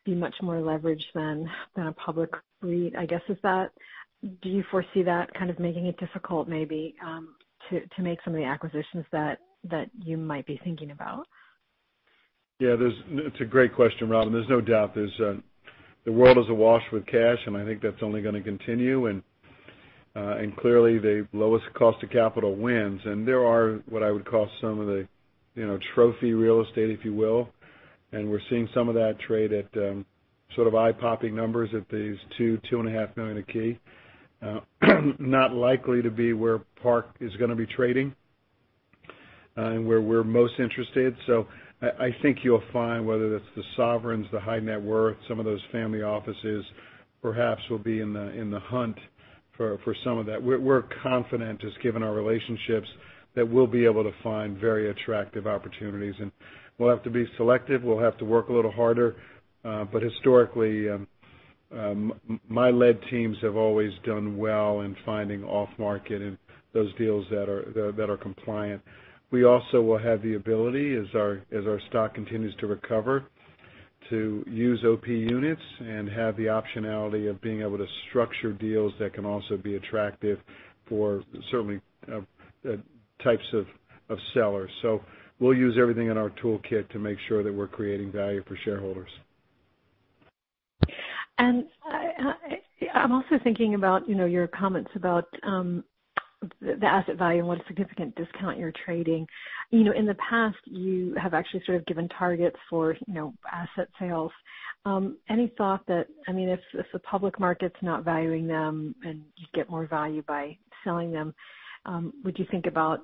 be much more leveraged than a public REIT. Do you foresee that kind of making it difficult maybe to make some of the acquisitions that you might be thinking about? Yeah. It's a great question, Robin. There's no doubt the world is awash with cash, and I think that's only gonna continue. Clearly, the lowest cost of capital wins. There are what I would call some of the, you know, trophy real estate, if you will, and we're seeing some of that trade at sort of eye-popping numbers at these $2 million-$2.5 million a key. Not likely to be where Park is gonna be trading and where we're most interested. I think you'll find whether that's the sovereigns, the high net worth, some of those family offices perhaps will be in the hunt for some of that. We're confident, just given our relationships, that we'll be able to find very attractive opportunities. We'll have to be selective, we'll have to work a little harder, but historically, my-led teams have always done well in finding off-market and those deals that are compliant. We also will have the ability, as our stock continues to recover, to use OP units and have the optionality of being able to structure deals that can also be attractive for certain types of sellers. We'll use everything in our toolkit to make sure that we're creating value for shareholders. I'm also thinking about your comments about the asset value and what a significant discount you're trading. You know, in the past, you have actually sort of given targets for asset sales. Any thought that, I mean, if the public market's not valuing them and you get more value by selling them, would you think about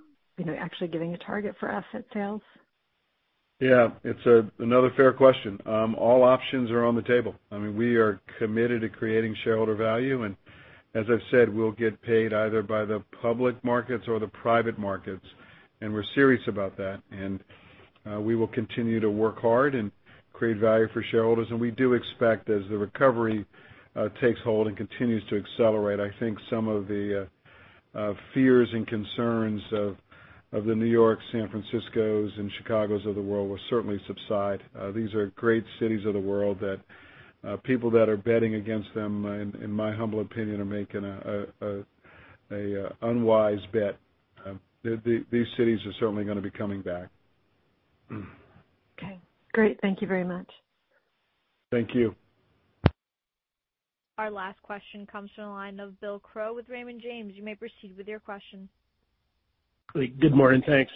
actually giving a target for asset sales? Yeah. It's another fair question. All options are on the table. I mean, we are committed to creating shareholder value, and as I've said, we'll get paid either by the public markets or the private markets, and we're serious about that. We will continue to work hard and create value for shareholders. We do expect, as the recovery takes hold and continues to accelerate, I think some of the fears and concerns of the New York, San Franciscos, and Chicagos of the world will certainly subside. These are great cities of the world that people that are betting against them, in my humble opinion, are making an unwise bet. These cities are certainly gonna be coming back. Okay. Great. Thank you very much. Thank you. Our last question comes from the line of Bill Crow with Raymond James. You may proceed with your question. Good morning. Thanks.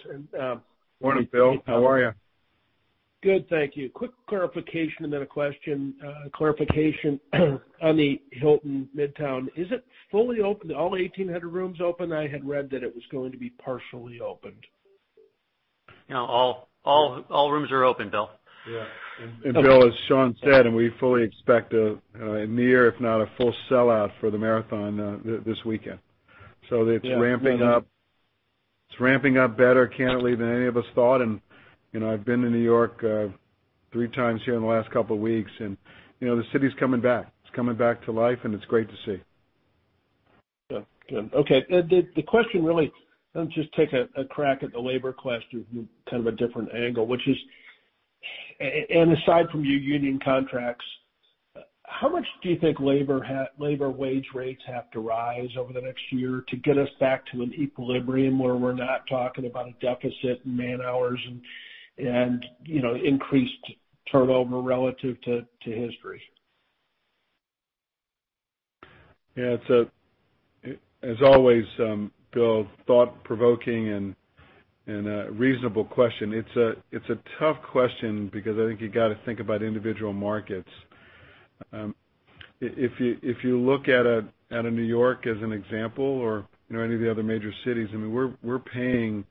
Morning, Bill. How are you? Good. Thank you. Quick clarification and then a question. Clarification on the Hilton Midtown. Is it fully open? All 1,800 rooms open? I had read that it was going to be partially opened. You know, all rooms are open, Bill. Yeah. Bill, as Sean said, we fully expect a near if not a full sellout for the marathon this weekend. It's ramping up better candidly than any of us thought. You know, I've been to New York three times here in the last couple of weeks, and you know, the city's coming back. It's coming back to life, and it's great to see. Yeah. Good. Okay. The question really, let me just take a crack at the labor question from kind of a different angle, which is, and aside from your union contracts, how much do you think labor wage rates have to rise over the next year to get us back to an equilibrium where we're not talking about a deficit in man hours and, you know, increased turnover relative to history? Yeah. As always, Bill, thought-provoking and a reasonable question. It's a tough question because I think you gotta think about individual markets. If you look at a New York as an example or, you know, any of the other major cities, I mean, we're paying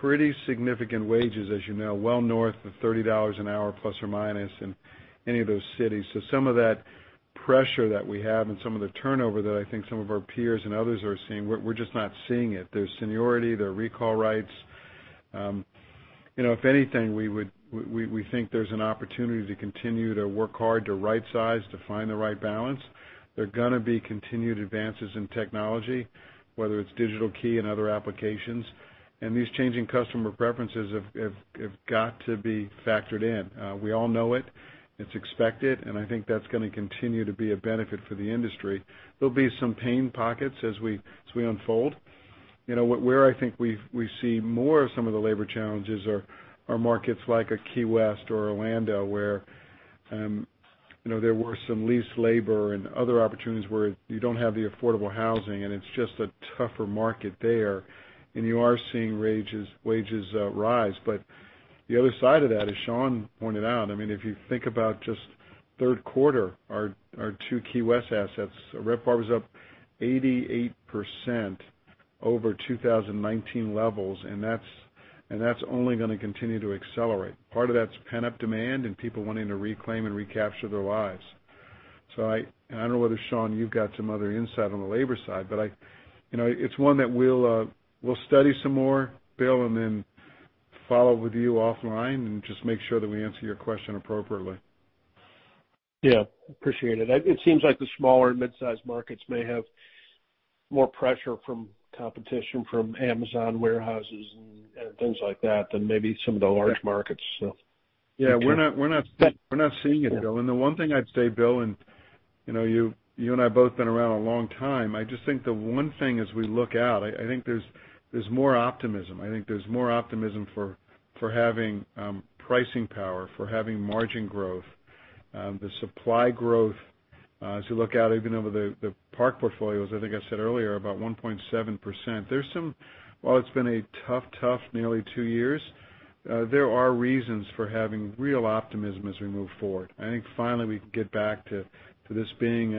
pretty significant wages, as you know, well north of $30 an hour plus or minus in any of those cities. Some of that pressure that we have and some of the turnover that I think some of our peers and others are seeing, we're just not seeing it. There's seniority, there are recall rights. You know, if anything, we think there's an opportunity to continue to work hard to right size, to find the right balance. There are gonna be continued advances in technology, whether it's digital key and other applications. These changing customer preferences have got to be factored in. We all know it's expected, and I think that's gonna continue to be a benefit for the industry. There'll be some pain pockets as we unfold. Where I think we see more of some of the labor challenges are markets like Key West or Orlando, where there were some leased labor and other opportunities where you don't have the affordable housing, and it's just a tougher market there, and you are seeing wages rise. The other side of that, as Sean pointed out, I mean, if you think about just third quarter, our two Key West assets, RevPAR was up 88% over 2019 levels, and that's only gonna continue to accelerate. Part of that's pent-up demand and people wanting to reclaim and recapture their lives. I don't know whether, Sean, you've got some other insight on the labor side, but, you know, it's one that we'll study some more, Bill, and then follow with you offline and just make sure that we answer your question appropriately. Yeah. Appreciate it. It seems like the smaller mid-sized markets may have more pressure from competition from Amazon warehouses and things like that than maybe some of the large markets. Yeah. We're not seeing it, Bill. The one thing I'd say, Bill, and you know, you and I both been around a long time. I just think the one thing as we look out, I think there's more optimism. I think there's more optimism for having pricing power, for having margin growth, the supply growth, as you look out even over the Park portfolios, I think I said earlier, about 1.7%. While it's been a tough nearly two years, there are reasons for having real optimism as we move forward. I think finally we can get back to this being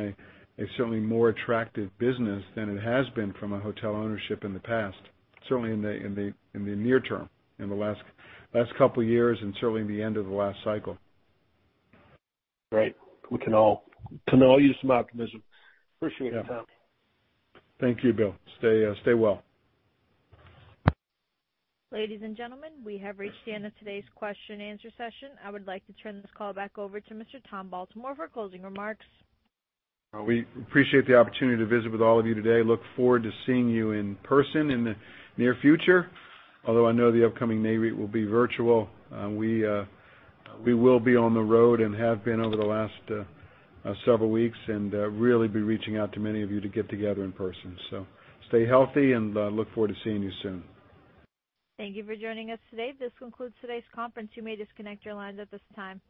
a certainly more attractive business than it has been from a hotel ownership in the past, certainly in the near term, in the last couple of years, and certainly in the end of the last cycle. Right. We can all use some optimism. Appreciate the time. Thank you, Bill. Stay well. Ladies and gentlemen, we have reached the end of today's question and answer session. I would like to turn this call back over to Mr. Tom Baltimore for closing remarks. We appreciate the opportunity to visit with all of you today. Look forward to seeing you in person in the near future. Although I know the upcoming Nareit will be virtual, we will be on the road and have been over the last several weeks and really be reaching out to many of you to get together in person. Stay healthy and look forward to seeing you soon. Thank you for joining us today. This concludes today's conference. You may disconnect your lines at this time.